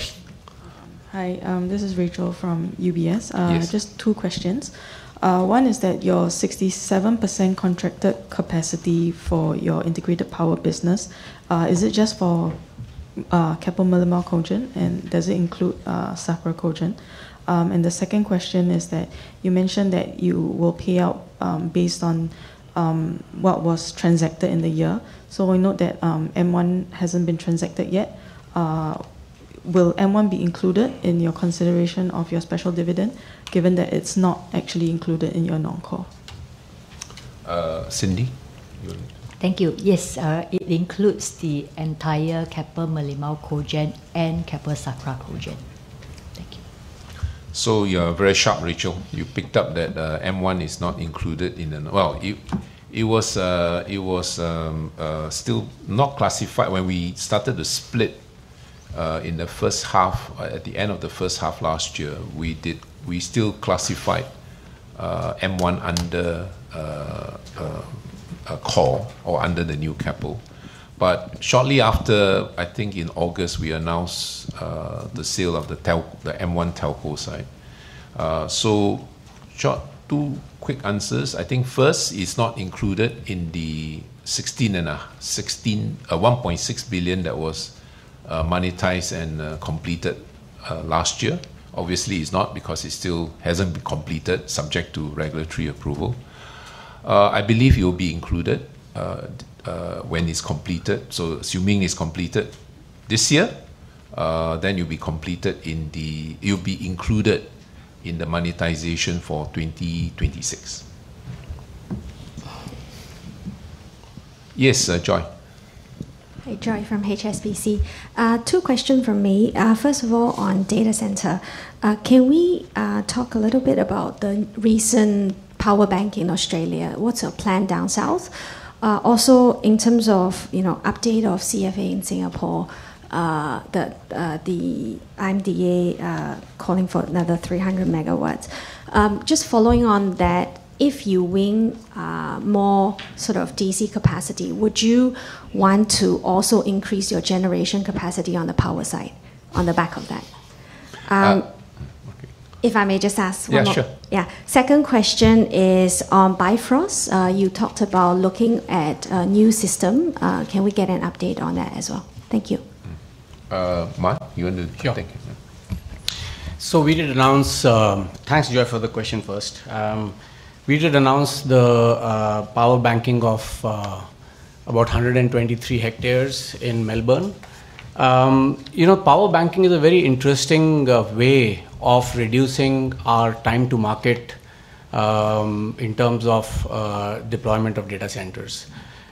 Hi, this is Rachel from UBS. Yes. Just two questions. One is that your 67% contracted capacity for your Integrated Power business, is it just for Keppel Merlimau Cogen, and does it include Sakra Cogen? And the second question is that you mentioned that you will pay out, based on what was transacted in the year. So I note that M1 hasn't been transacted yet. Will M1 be included in your consideration of your special dividend, given that it's not actually included in your non-core? Cindy, you want to- Thank you. Yes, it includes the entire Keppel Merlimau Cogen and Keppel Sakra Cogen. Thank you. So you are very sharp, Rachel. You picked up that M1 is not included in the... Well, it was still not classified. When we started the split in the first half, at the end of the first half last year, we still classified M1 under a core or under the New Keppel. But shortly after, I think in August, we announced the sale of the M1 telco site. So short two quick answers. I think first, it's not included in the 1.6 billion that was monetized and completed last year. Obviously, it's not, because it still hasn't been completed, subject to regulatory approval. I believe it will be included when it's completed. So assuming it's completed this year, then it will be included in the monetization for 2026. Yes, Joy. Hi, Joy from HSBC. Two questions from me. First of all, on data center, can we talk a little bit about the recent power bank in Australia? What's your plan down south? Also, in terms of, you know, update of CFA in Singapore, the IMDA calling for another 300 MW. Just following on that, if you win more sort of DC capacity, would you want to also increase your generation capacity on the power side on the back of that? If I may just ask one more- Yeah, sure. Yeah. Second question is on Bifrost. You talked about looking at a new system. Can we get an update on that as well? Thank you. Mann, you want to- Sure. Thank you. So we did announce, thanks, Joy, for the question first. We did announce the power banking of about 123 hectares in Melbourne. You know, power banking is a very interesting way of reducing our time to market in terms of deployment of data centers.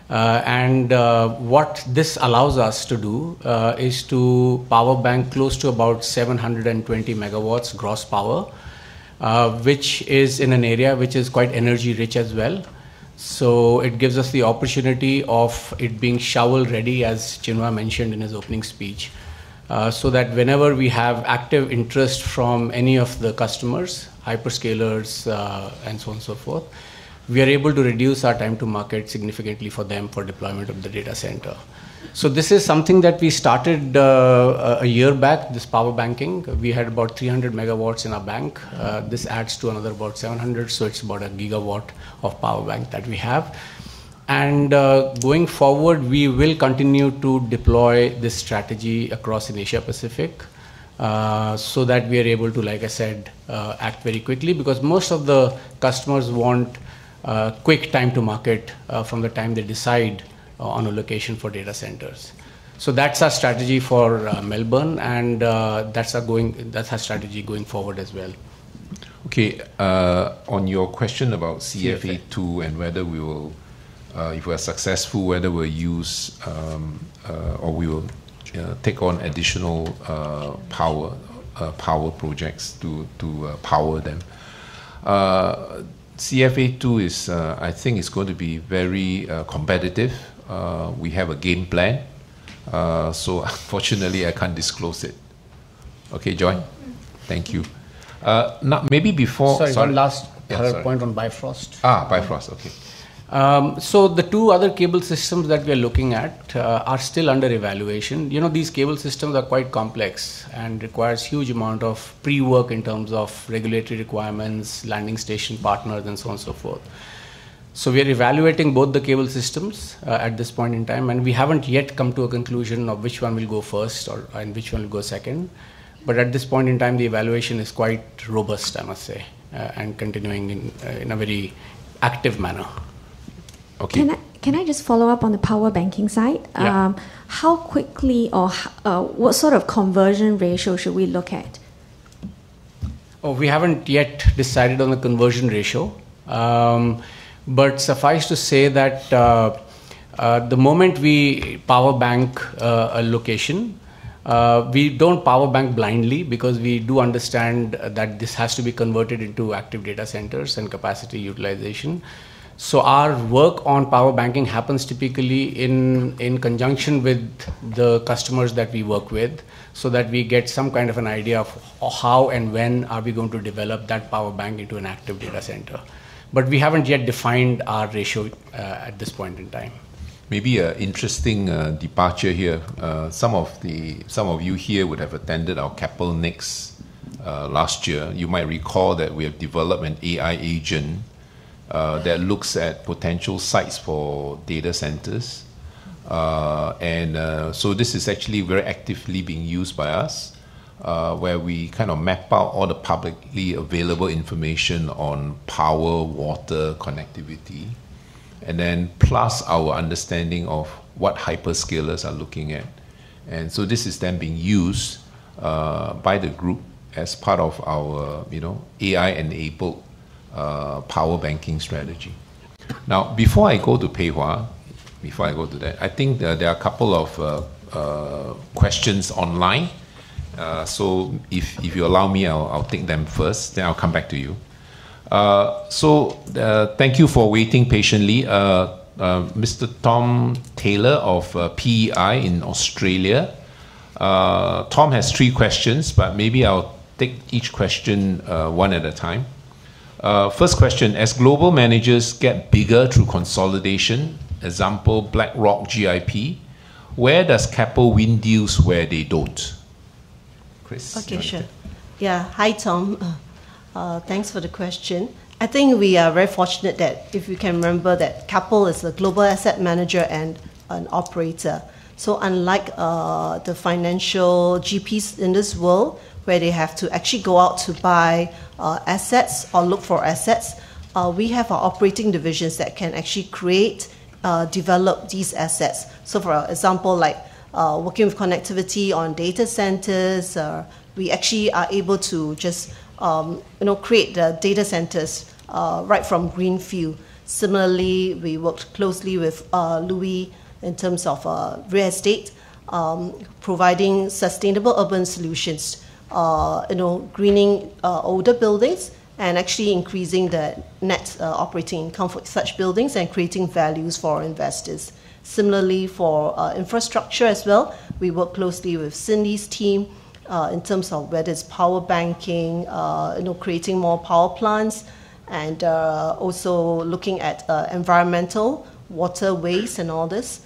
And what this allows us to do is to power bank close to about 720 MW gross power, which is in an area which is quite energy-rich as well. So it gives us the opportunity of it being shovel-ready, as Chin Hua mentioned in his opening speech, so that whenever we have active interest from any of the customers, hyperscalers, and so on and so forth, we are able to reduce our time to market significantly for them for deployment of the data center. So this is something that we started a year back, this power banking. We had about 300 megawatts in our bank. This adds to another about 700, so it's about a gigawatt of power bank that we have. And going forward, we will continue to deploy this strategy across the Asia Pacific, so that we are able to, like I said, act very quickly. Because most of the customers want quick time to market from the time they decide on a location for data centers. So that's our strategy for Melbourne, and that's our strategy going forward as well. Okay, on your question about CFA2- Yeah And whether we will, if we are successful, whether we'll use, or we will, take on additional, power, power projects to, to, power them. CFA2 is, I think is going to be very, competitive. We have a game plan, so unfortunately, I can't disclose it. Okay, Joy? Mm. Thank you. Now maybe before- Sorry, one last- Yeah, sorry Other point on Bifrost. Ah, Bifrost. Okay. So the two other cable systems that we are looking at are still under evaluation. You know, these cable systems are quite complex and requires huge amount of pre-work in terms of regulatory requirements, landing station partners, and so on and so forth. So we are evaluating both the cable systems at this point in time, and we haven't yet come to a conclusion of which one will go first or, and which one will go second. But at this point in time, the evaluation is quite robust, I must say, and continuing in, in a very active manner. Okay. Can I, can I just follow up on the power banking side? Yeah. How quickly or what sort of conversion ratio should we look at? Oh, we haven't yet decided on the conversion ratio. But suffice to say that the moment we power bank a location, we don't power bank blindly because we do understand that this has to be converted into active data centers and capacity utilization. So our work on power banking happens typically in conjunction with the customers that we work with, so that we get some kind of an idea of how and when we are going to develop that power bank into an active data center. But we haven't yet defined our ratio at this point in time. Maybe an interesting departure here. Some of you here would have attended our Keppel Next last year. You might recall that we have developed an AI agent that looks at potential sites for data centers. And so this is actually very actively being used by us, where we kind of map out all the publicly available information on power, water, connectivity, and then plus our understanding of what hyperscalers are looking at. And so this is then being used by the group as part of our, you know, AI-enabled power banking strategy. Now, before I go to Pei Hwa, before I go to that, I think there are a couple of questions online. So if you allow me, I'll take them first, then I'll come back to you. So, thank you for waiting patiently. Mr. Tom Taylor of PEI in Australia. Tom has three questions, but maybe I'll take each question one at a time. First question: "As global managers get bigger through consolidation, example, BlackRock, GIP, where does Keppel win deals where they don't?" Chris? Okay, sure. Yeah. Hi, Tom. Thanks for the question. I think we are very fortunate that if you can remember that Keppel is a global asset manager and an operator. So unlike the financial GPs in this world, where they have to actually go out to buy assets or look for assets, we have our operating divisions that can actually create, develop these assets. So for example, like working with connectivity on data centers, we actually are able to just, you know, create the data centers right from greenfield. Similarly, we worked closely with Louis in terms of real estate, providing sustainable urban solutions, you know, greening older buildings and actually increasing the net operating income for such buildings and creating values for our investors. Similarly, for infrastructure as well, we work closely with Cindy's team in terms of whether it's power banking, you know, creating more power plants, and also looking at environmental, water waste, and all this.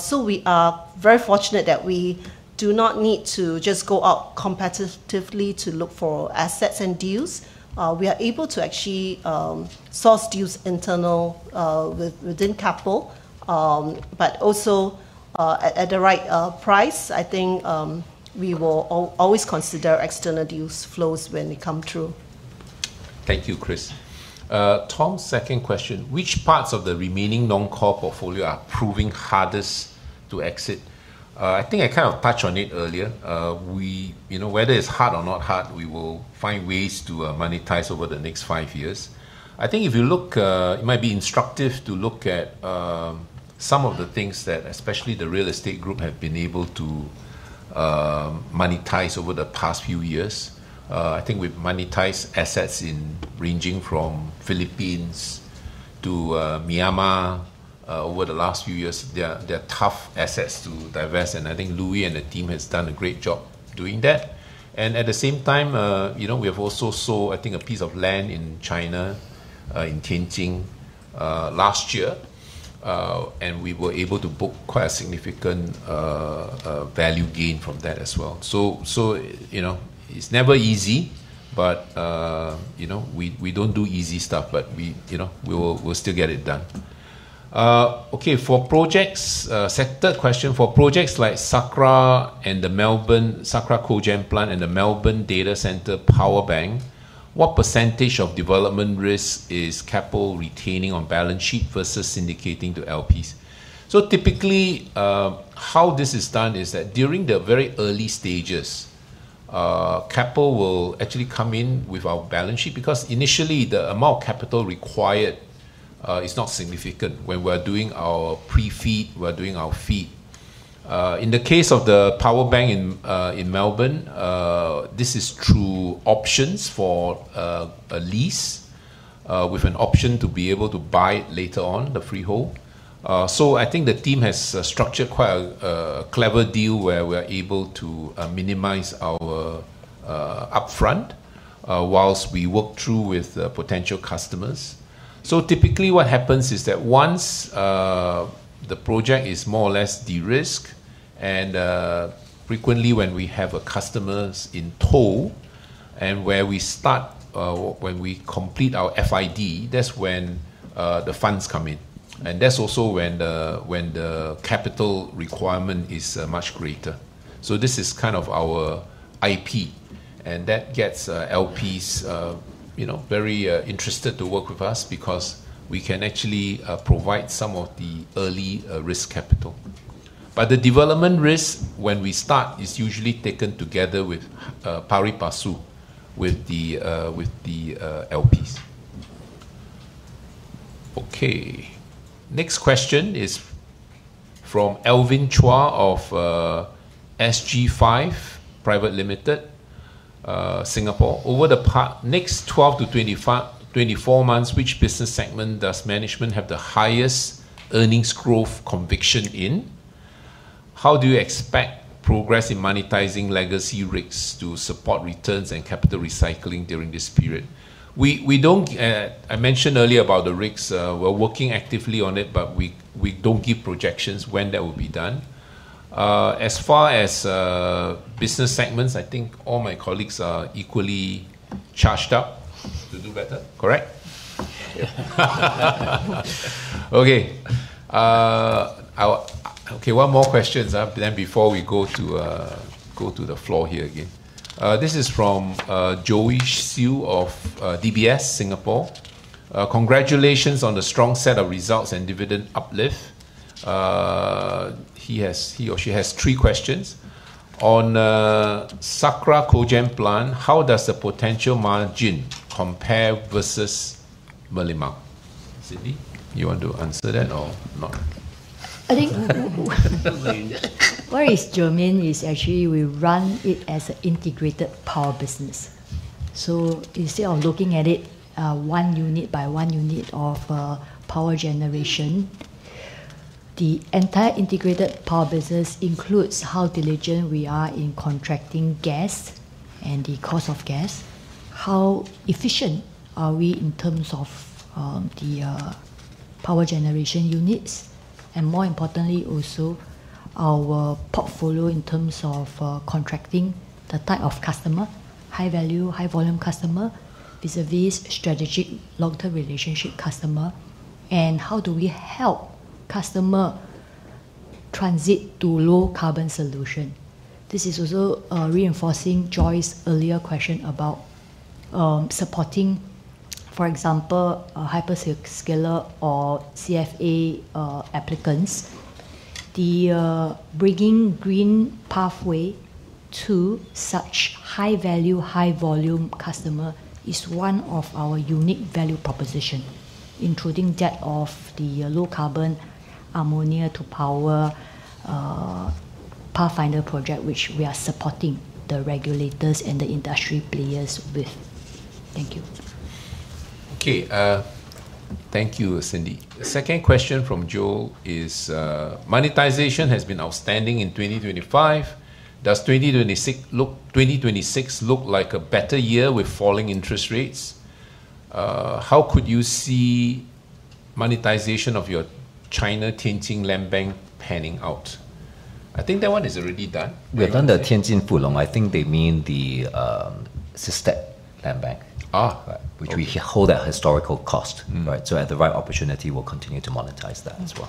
So we are very fortunate that we do not need to just go out competitively to look for assets and deals. We are able to actually source deals internal within Keppel, but also- At the right price, I think, we will always consider external deals flows when they come through. Thank you, Chris. Tom's second question: Which parts of the remaining non-core portfolio are proving hardest to exit? I think I kind of touched on it earlier. We, you know, whether it's hard or not hard, we will find ways to monetize over the next five years. I think if you look, it might be instructive to look at some of the things that, especially the real estate group, have been able to monetize over the past few years. I think we've monetized assets in, ranging from Philippines to Myanmar, over the last few years. They are tough assets to divest, and I think Louis and the team has done a great job doing that. And at the same time, you know, we have also sold, I think, a piece of land in China, in Tianjin, last year, and we were able to book quite a significant value gain from that as well. So, you know, it's never easy, but, you know, we, we don't do easy stuff, but we, you know, we will, we'll still get it done. Okay, for projects, second question. For projects like Sakra and the Melbourne, Sakra Cogen Plant and the Melbourne data center power bank, what percentage of development risk is Keppel retaining on balance sheet versus syndicating to LPs? So typically, how this is done is that during the very early stages, Keppel will actually come in with our balance sheet, because initially the amount of capital required is not significant when we're doing our pre-FEED, we're doing our FEED. In the case of the power bank in Melbourne, this is through options for a lease with an option to be able to buy later on the freehold. So I think the team has structured quite a clever deal where we are able to minimize our upfront while we work through with potential customers. So typically, what happens is that once, the project is more or less de-risked, and, frequently when we have a customers in tow, and where we start, when we complete our FID, that's when, the funds come in, and that's also when the, when the capital requirement is, much greater. So this is kind of our IP, and that gets, LPs, you know, very, interested to work with us because we can actually, provide some of the early, risk capital. But the development risk, when we start, is usually taken together with, pari-passu with the, with the, LPs. Okay. Next question is from Alvin Chua of, SG5 Private Limited, Singapore. Over the next 12 to 24 months, which business segment does management have the highest earnings growth conviction in? How do you expect progress in monetizing legacy rigs to support returns and capital recycling during this period? We don't... I mentioned earlier about the rigs. We're working actively on it, but we don't give projections when that will be done. As far as business segments, I think all my colleagues are equally charged up to do better. Correct? Okay. Okay, one more question, then before we go to the floor here again. This is from Joey Siew of DBS Singapore. Congratulations on the strong set of results and dividend uplift. He has, he or she has three questions. On Sakra Cogen Plant, how does the potential margin compare versus Merlimau? Cindy, you want to answer that or not? I think what is germane is actually we run it as an Integrated Power business. So instead of looking at it one unit by one unit of power generation, the entire Integrated Power business includes how diligent we are in contracting gas and the cost of gas, how efficient are we in terms of the power generation units, and more importantly, also, our portfolio in terms of contracting the type of customer, high-value, high-volume customer. Is this strategic long-term relationship customer, and how do we help customer transit to low-carbon solution? This is also reinforcing Joey's earlier question about supporting, for example, a hyperscaler or CFA applicants. The bringing green pathway to such high-value, high-volume customer is one of our unique value proposition, including that of the low-carbon ammonia to power, pathfinder project, which we are supporting the regulators and the industry players with. Thank you. Okay, thank you, Cindy. The second question from Joe is, monetization has been outstanding in 2025. Does 2026 look, 2026 look like a better year with falling interest rates? How could you see monetization of your China, Tianjin land bank panning out?... I think that one is already done. We have done the Tianjin Fuli. I think they mean the, SSTEC Land Bank. Ah. Right, which we hold at historical cost. Mm-hmm. Right? So at the right opportunity, we'll continue to monetize that as well.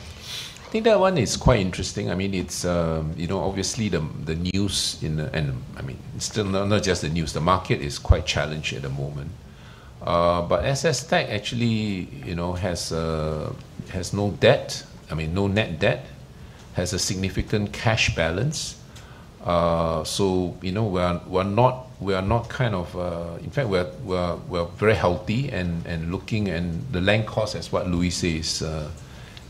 I think that one is quite interesting. I mean, it's, you know, obviously, the, the news in the... I mean, still, not just the news, the market is quite challenged at the moment. But SSTEC actually, you know, has no debt, I mean, no net debt, has a significant cash balance. So, you know, we are, we're not, we are not kind of... In fact, we are very healthy and looking, and the land cost, as what Louis says,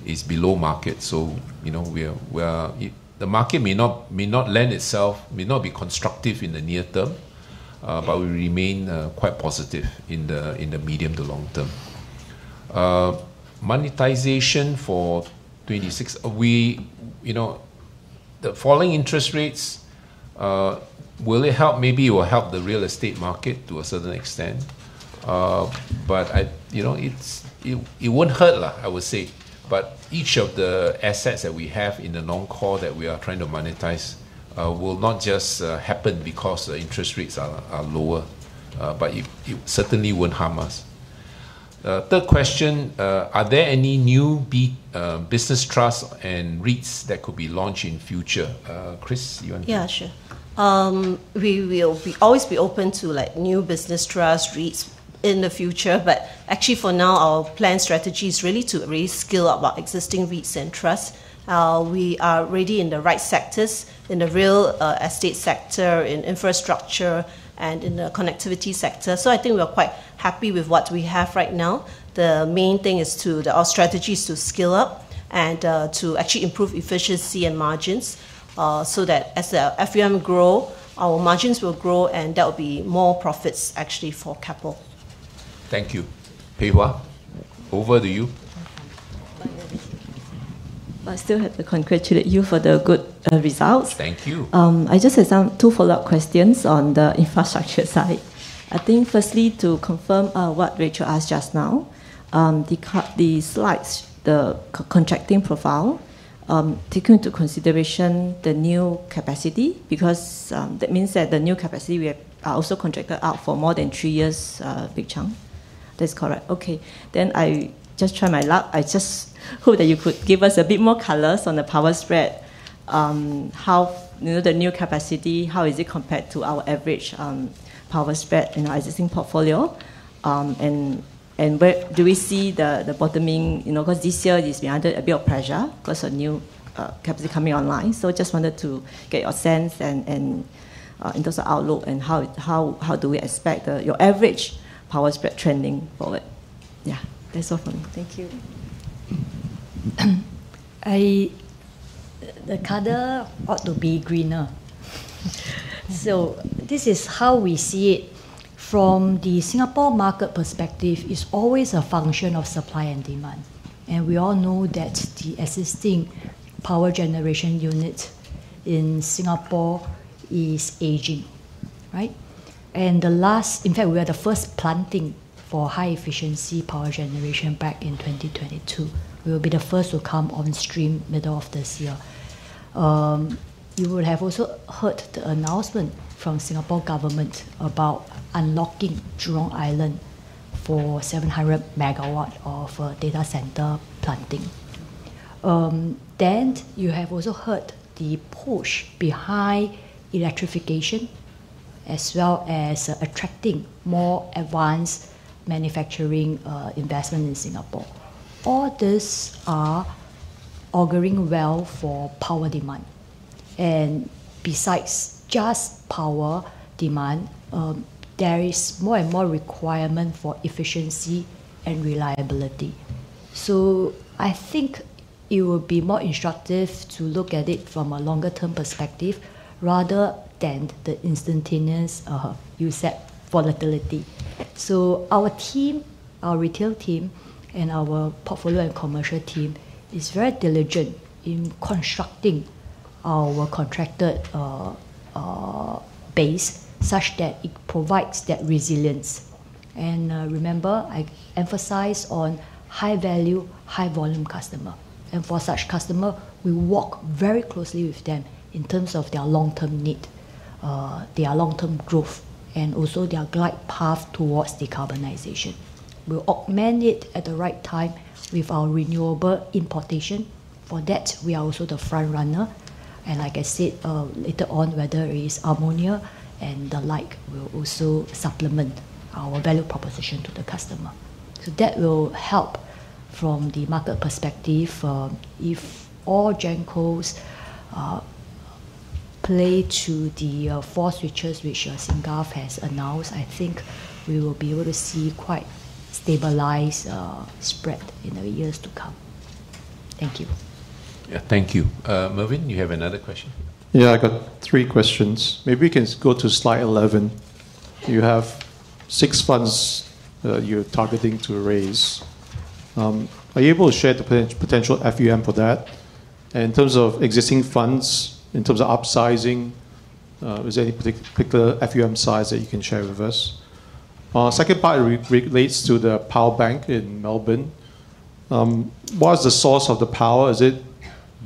is below market. So, you know, we are, the market may not lend itself, may not be constructive in the near term, but we remain quite positive in the medium to long term. Monetization for 2026, we, you know, the falling interest rates, will it help? Maybe it will help the real estate market to a certain extent. But I, you know, it won't hurt, lah, I would say, but each of the assets that we have in the non-core that we are trying to monetize, will not just happen because the interest rates are lower. But it certainly won't harm us. Third question: Are there any new business trusts and REITs that could be launched in future? Chris, you want to- Yeah, sure. We will... We always be open to, like, new business trust, REITs in the future, but actually, for now, our planned strategy is really to reskill our existing REITs and trusts. We are already in the right sectors, in the real estate sector, in infrastructure, and in the connectivity sector, so I think we are quite happy with what we have right now. The main thing is to-- the, our strategy is to skill up and, to actually improve efficiency and margins, so that as our FUM grow, our margins will grow, and there will be more profits actually for Keppel. Thank you. Pei Hwa, over to you. I still have to congratulate you for the good results. Thank you. I just have some two follow-up questions on the infrastructure side. I think, firstly, to confirm, what Rachel asked just now, the slides, the contracting profile, take into consideration the new capacity, because that means that the new capacity we have also contracted out for more than three years, big chunk. That's correct. Okay, then I just try my luck. I just hope that you could give us a bit more colors on the spark spread. How, you know, the new capacity, how is it compared to our average, spark spread in our existing portfolio? And where do we see the bottoming? You know, 'cause this year it's been under a bit of pressure because of new capacity coming online. So just wanted to get your sense and in terms of outlook and how do we expect your average power spread trending forward? Yeah, that's all for me. Thank you. The color ought to be greener. So this is how we see it from the Singapore market perspective, it's always a function of supply and demand, and we all know that the existing power generation unit in Singapore is aging, right? In fact, we are the first plant for high-efficiency power generation back in 2022. We will be the first to come on stream middle of this year. You will have also heard the announcement from Singapore government about unlocking Jurong Island for 700 MW of data center planning. Then you have also heard the push behind electrification, as well as attracting more advanced manufacturing investment in Singapore. All this are auguring well for power demand, and besides just power demand, there is more and more requirement for efficiency and reliability. So I think it will be more instructive to look at it from a longer term perspective, rather than the instantaneous, you said volatility. So our team, our retail team, and our portfolio and commercial team is very diligent in constructing our contracted base such that it provides that resilience. And remember, I emphasize on high-value, high-volume customer, and for such customer, we work very closely with them in terms of their long-term need, their long-term growth, and also their glide path towards decarbonization. We'll augment it at the right time with our renewable importation. For that, we are also the frontrunner, and like I said, later on, whether it's ammonia and the like, we will also supplement our value proposition to the customer. So that will help from the market perspective. If all gencos play to the forecast which SingGas has announced, I think we will be able to see quite stabilized spread in the years to come. Thank you. Yeah, thank you. Mervyn, you have another question? Yeah, I got three questions. Maybe we can go to slide 11. You have six funds, you're targeting to raise. Are you able to share the potential FUM for that? And in terms of existing funds, in terms of upsizing, is there any particular FUM size that you can share with us? Second part relates to the power bank in Melbourne. What is the source of the power? Is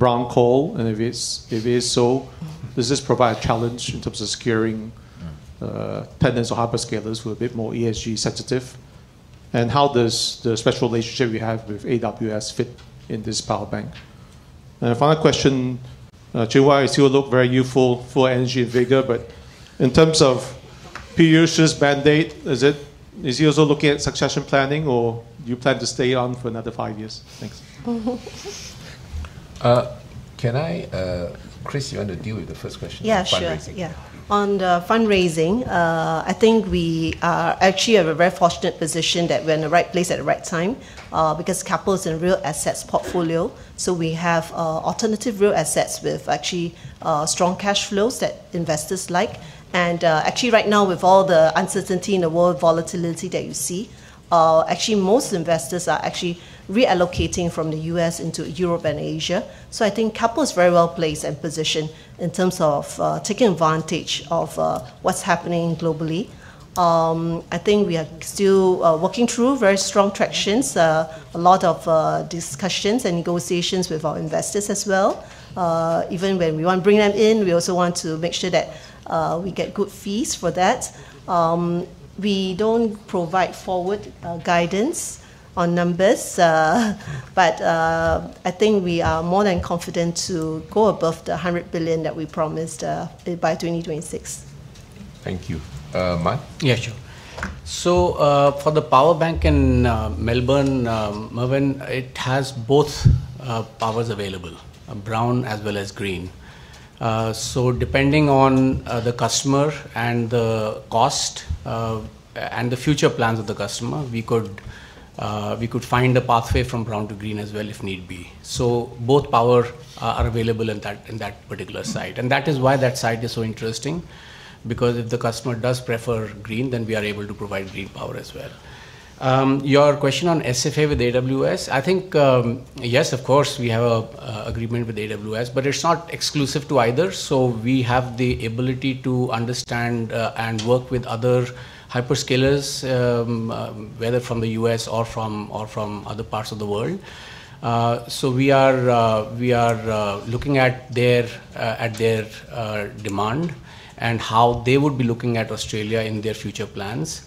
it brown coal? And if it's, if it is so, does this provide a challenge in terms of securing, tenants or hyperscalers who are a bit more ESG sensitive? And how does the special relationship we have with AWS fit in this power bank? And a final question, Chin Hua, you still look very youthful, full of energy and vigor, but in terms of Piyush's mandate, is he also looking at succession planning, or do you plan to stay on for another five years? Thanks. Can I, Chris, you want to deal with the first question? Yeah, sure On fundraising? Yeah. On the fundraising, I think we are actually at a very fortunate position that we're in the right place at the right time, because Keppel is a real assets portfolio, so we have alternative real assets with actually strong cash flows that investors like. And actually right now, with all the uncertainty in the world, volatility that you see, actually most investors are actually reallocating from the U.S. into Europe and Asia. So I think Keppel is very well placed and positioned in terms of taking advantage of what's happening globally. I think we are still working through very strong traction, a lot of discussions and negotiations with our investors as well. Even when we want to bring them in, we also want to make sure that we get good fees for that. We don't provide forward guidance on numbers, but I think we are more than confident to go above 100 billion that we promised by 2026. Thank you. Mai? Yeah, sure. So, for the power bank in, Melbourne, Mervyn, it has both, powers available, brown as well as green. So depending on, the customer and the cost, and the future plans of the customer, we could, we could find a pathway from brown to green as well, if need be. So both power are, are available in that, in that particular site. And that is why that site is so interesting, because if the customer does prefer green, then we are able to provide green power as well. Your question on SFA with AWS, I think, yes, of course, we have a, agreement with AWS, but it's not exclusive to either. So we have the ability to understand and work with other hyperscalers, whether from the U.S. or from other parts of the world. So we are looking at their demand and how they would be looking at Australia in their future plans.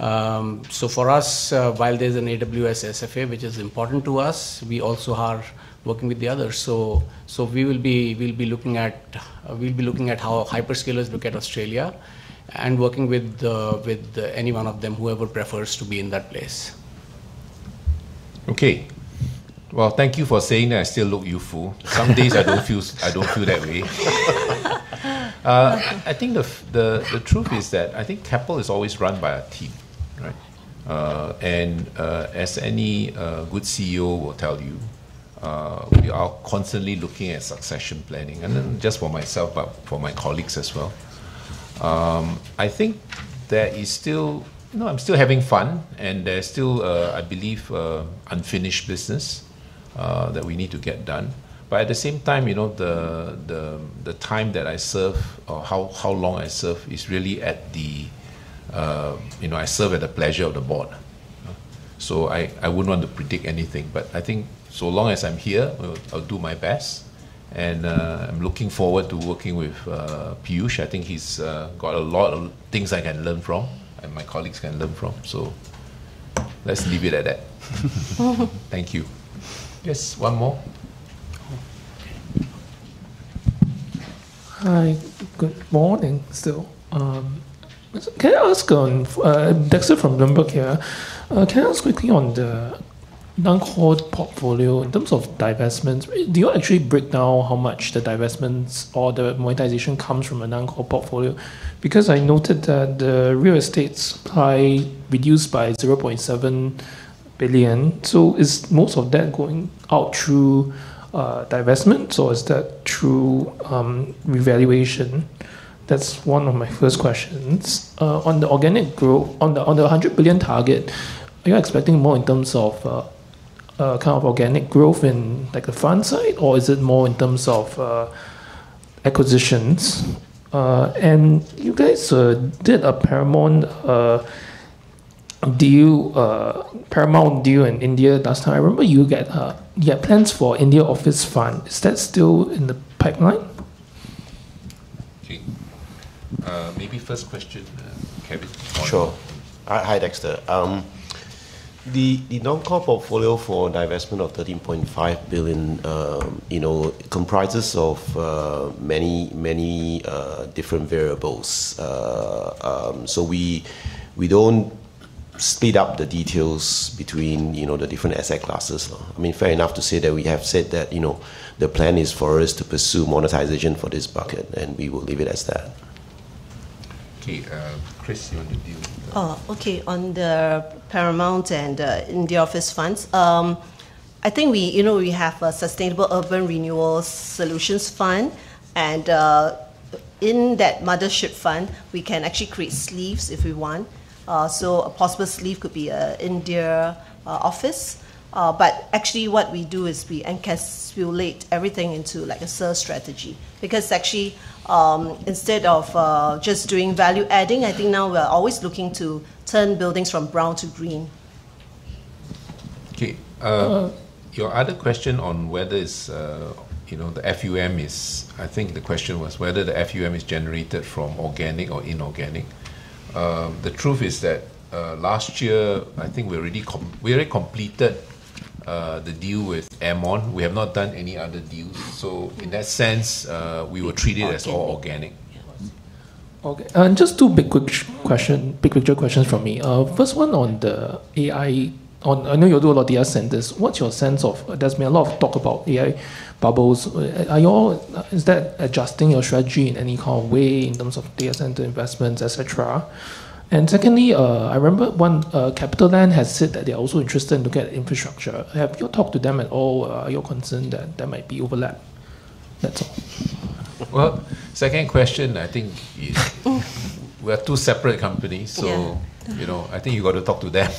So for us, while there's an AWS SFA, which is important to us, we also are working with the others. So we will be looking at how hyperscalers look at Australia and working with any one of them, whoever prefers to be in that place. Okay. Well, thank you for saying that I still look youthful. Some days I don't feel, I don't feel that way. I think the truth is that I think Keppel is always run by a team, right? And as any good CEO will tell you, we are constantly looking at succession planning. Mm. And then just for myself, but for my colleagues as well. I think there is still... You know, I'm still having fun, and there's still, I believe, unfinished business that we need to get done. But at the same time, you know, the time that I serve or how long I serve is really at the... you know, I serve at the pleasure of the board. So I wouldn't want to predict anything, but I think so long as I'm here, I'll do my best, and I'm looking forward to working with Piyush. I think he's got a lot of things I can learn from and my colleagues can learn from, so let's leave it at that. Thank you. Yes, one more. Hi. Good morning, still. Can I ask on... Dexter from Bloomberg, here. Can I ask quickly on the non-core portfolio in terms of divestments, do you actually break down how much the divestments or the monetization comes from a non-core portfolio? Because I noted that the real estate supply reduced by 0.7 billion. So is most of that going out through divestment, or is that through revaluation? That's one of my first questions. On the organic growth, on the hundred billion target, are you expecting more in terms of kind of organic growth in, like, the front side, or is it more in terms of acquisitions? And you guys did a Paramount deal in India last time. I remember you had plans for India office fund. Is that still in the pipeline? Okay. Maybe first question, Kevin? Sure. Hi, Dexter. The non-core portfolio for divestment of 13.5 billion, you know, comprises of many, many different variables. So we don't split up the details between, you know, the different asset classes. I mean, fair enough to say that we have said that, you know, the plan is for us to pursue monetization for this bucket, and we will leave it as that. Okay, Chris, you want to deal with the- Okay, on the One Paramount and India office funds, I think we, you know, we have a Sustainable Urban Renewal solutions fund, and in that mothership fund, we can actually create sleeves if we want. So a possible sleeve could be an India office. But actually what we do is we encapsulate everything into, like, a SURF strategy. Because actually, instead of just doing value adding, I think now we are always looking to turn buildings from brown to green. Okay, your other question on whether it's, you know, the FUM is-- I think the question was whether the FUM is generated from organic or inorganic. The truth is that, last year, I think we already completed the deal with Aermont. We have not done any other deals, so in that sense, we will treat it as all organic. Okay. Just two big quick question, big picture questions from me. First one on the AI. I know you do a lot of data centers. What's your sense? There's been a lot of talk about AI bubbles. Are you all, is that adjusting your strategy in any kind of way in terms of data center investments, et cetera? And secondly, I remember one, CapitaLand has said that they are also interested in looking at infrastructure. Have you talked to them at all? Are you concerned that there might be overlap? That's all. Well, second question, I think is... We are two separate companies. Yeah So, you know, I think you've got to talk to them.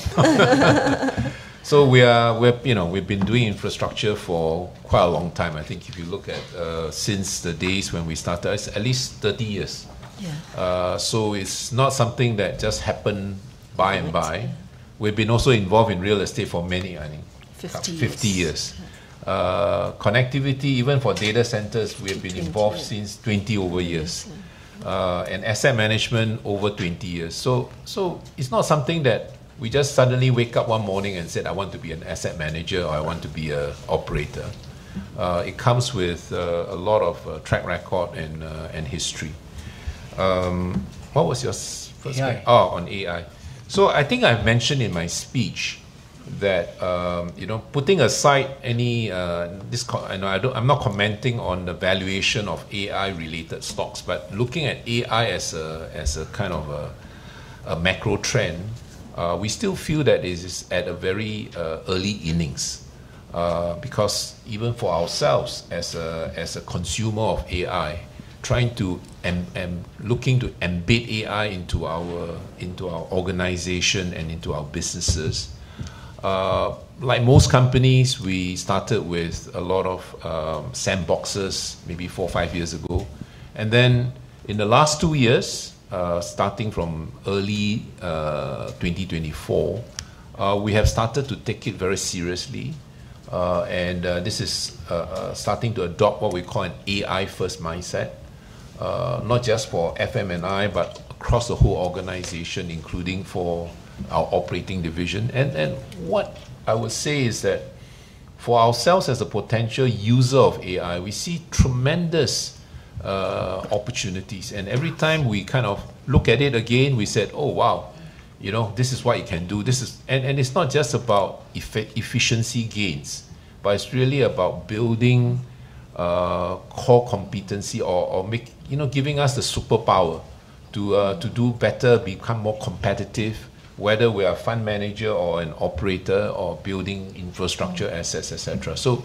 So we are, we're, you know, we've been doing infrastructure for quite a long time. I think if you look at, since the days when we started, it's at least 30 years. Yeah. So it's not something that just happened by and by. Yeah. We've been also involved in real estate for many, I think- Fifty years. Fifty years. Yeah. Connectivity, even for data centers- Twenty, twenty We have been involved since 20 over years. Yeah. And asset management, over 20 years. So it's not something that we just suddenly wake up one morning and said, "I want to be an asset manager," or, "I want to be an operator. Mm. It comes with a lot of track record and history. What was your first- AI. Oh, on AI. So I think I've mentioned in my speech that, you know, putting aside any, I don't, I'm not commenting on the valuation of AI-related stocks, but looking at AI as a kind of a macro trend, we still feel that it is at a very early innings. Because even for ourselves, as a consumer of AI, trying to looking to embed AI into our organization and into our businesses, like most companies, we started with a lot of sandboxes maybe four or five years ago. And then in the last two years, starting from early 2024, we have started to take it very seriously. This is starting to adopt what we call an AI-first mindset, not just for FM and I, but across the whole organization, including for our operating division. And what I would say is that, for ourselves as a potential user of AI, we see tremendous opportunities. And every time we kind of look at it again, we said, "Oh, wow! You know, this is what it can do. This is..." And it's not just about efficiency gains, but it's really about building core competency or, you know, giving us the superpower to do better, become more competitive, whether we are a fund manager or an operator or building infrastructure assets, et cetera. So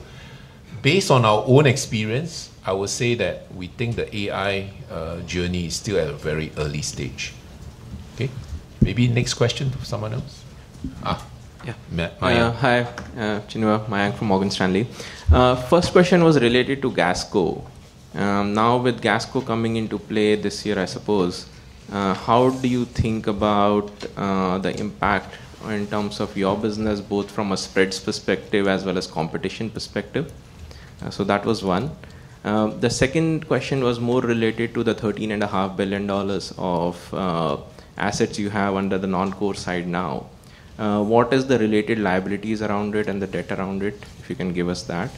based on our own experience, I would say that we think the AI journey is still at a very early stage. Okay? Maybe next question from someone else. Yeah, Mayank. Hi, Chin Hua. Mayank from Morgan Stanley. First question was related to GasCo. Now with GasCo coming into play this year, I suppose, how do you think about the impact in terms of your business, both from a spreads perspective as well as competition perspective? So that was one. The second question was more related to the $13.5 billion of assets you have under the non-core side now. What is the related liabilities around it and the debt around it, if you can give us that?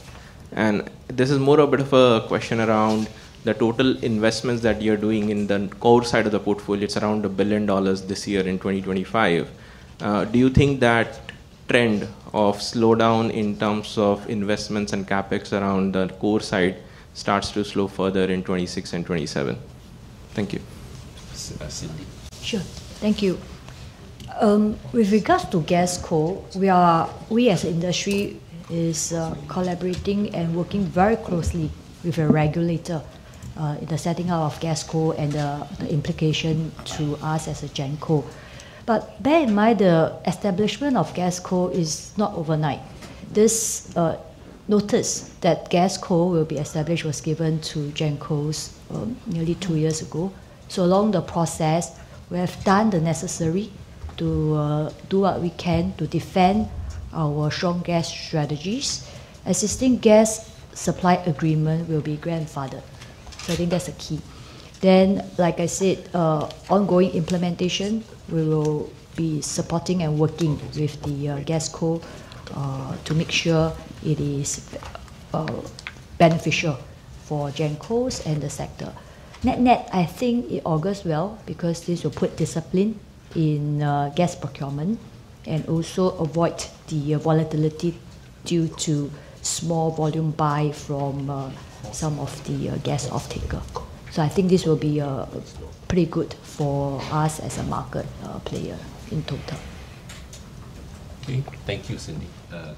And this is more a bit of a question around the total investments that you're doing in the core side of the portfolio. It's around $1 billion this year in 2025. Do you think that trend of slowdown in terms of investments and CapEx around the core side starts to slow further in 2026 and 2027? Thank you. Cindy. Sure. Thank you. With regards to GasCo, we as industry is collaborating and working very closely with the regulator in the setting up of GasCo and the implication to us as a GenCo. But bear in mind, the establishment of GasCo is not overnight. This notice that GasCo will be established was given to GenCos nearly two years ago. So along the process, we have done the necessary to do what we can to defend our strong gas strategies. Existing gas supply agreement will be grandfathered, so I think that's a key. Then, like I said, ongoing implementation, we will be supporting and working with the GasCo to make sure it is beneficial for GenCos and the sector. Net-net, I think it augurs well because this will put discipline in gas procurement and also avoid the volatility due to small volume buy from some of the gas offtaker. So I think this will be pretty good for us as a market player in total. Okay, thank you, Cindy.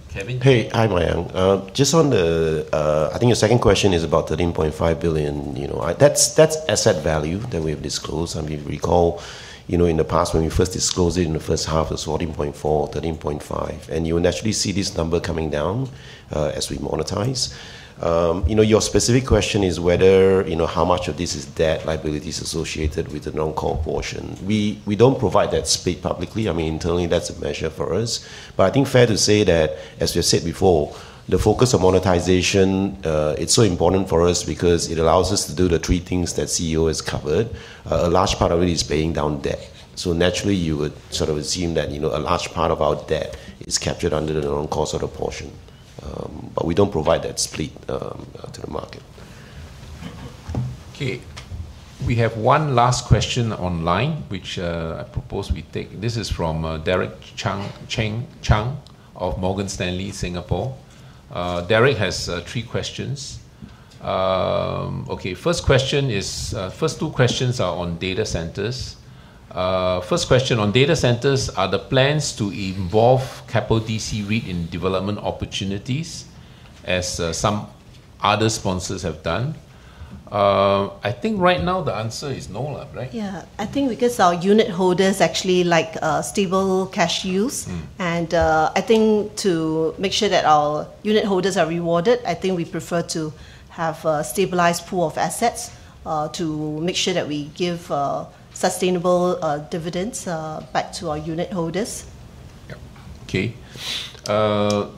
Kevin? Hey. Hi, Mayank. Just on the, I think your second question is about 13.5 billion. You know, that's asset value that we have disclosed, and we recall, you know, in the past when we first disclosed it in the first half, it was 14.4 billion, 13.5 billion, and you will naturally see this number coming down as we monetize. You know, your specific question is whether, you know, how much of this is debt liabilities associated with the non-core portion. We don't provide that split publicly. I mean, internally, that's a measure for us, but I think fair to say that, as we have said before, the focus of monetization, it's so important for us because it allows us to do the three things that CEO has covered. A large part of it is paying down debt, so naturally you would sort of assume that, you know, a large part of our debt is captured under the non-core sort of portion. But we don't provide that split to the market. Okay, we have one last question online, which, I propose we take. This is from Derek Chang of Morgan Stanley, Singapore. Derek has three questions. Okay, first question is... First two questions are on data centers. First question on data centers: Are the plans to involve Keppel DC REIT in development opportunities, as some other sponsors have done? I think right now the answer is no, Lav, right? Yeah, I think because our unit holders actually like stable cash use. Mm. I think to make sure that our unit holders are rewarded, I think we prefer to have a stabilized pool of assets to make sure that we give sustainable dividends back to our unit holders. Yep. Okay.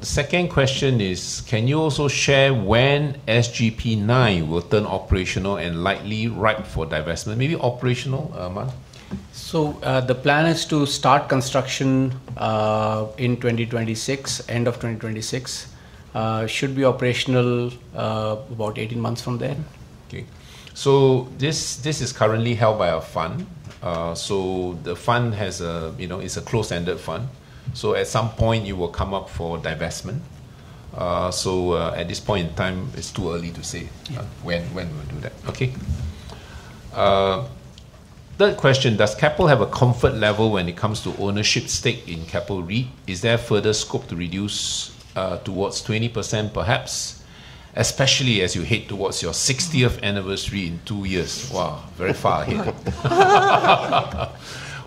Second question is, can you also share when SGP 9 will turn operational and likely ripe for divestment? Maybe operational, Mann? The plan is to start construction in 2026, end of 2026. Should be operational about 18 months from then. Okay. So this is currently held by our fund. So the fund has, you know, it's a closed-ended fund, so at some point it will come up for divestment. At this point in time, it's too early to say- Yeah When we'll do that. Okay. Third question: Does Keppel have a comfort level when it comes to ownership stake in Keppel REIT? Is there further scope to reduce towards 20%, perhaps, especially as you head towards your 60th anniversary in two years? Wow, very far ahead.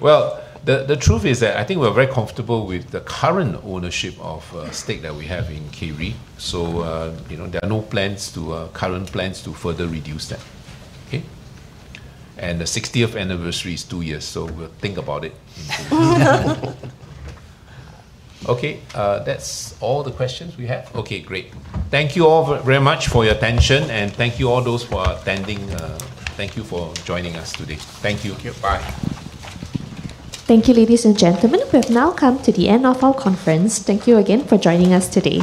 Well, the truth is that I think we're very comfortable with the current ownership of stake that we have in K REIT. So, you know, there are no current plans to further reduce that. Okay? The 60th anniversary is two years, so we'll think about it. Okay, that's all the questions we have? Okay, great. Thank you all very much for your attention, and thank you all those for attending. Thank you for joining us today. Thank you. Thank you. Bye. Thank you, ladies and gentlemen. We have now come to the end of our conference. Thank you again for joining us today.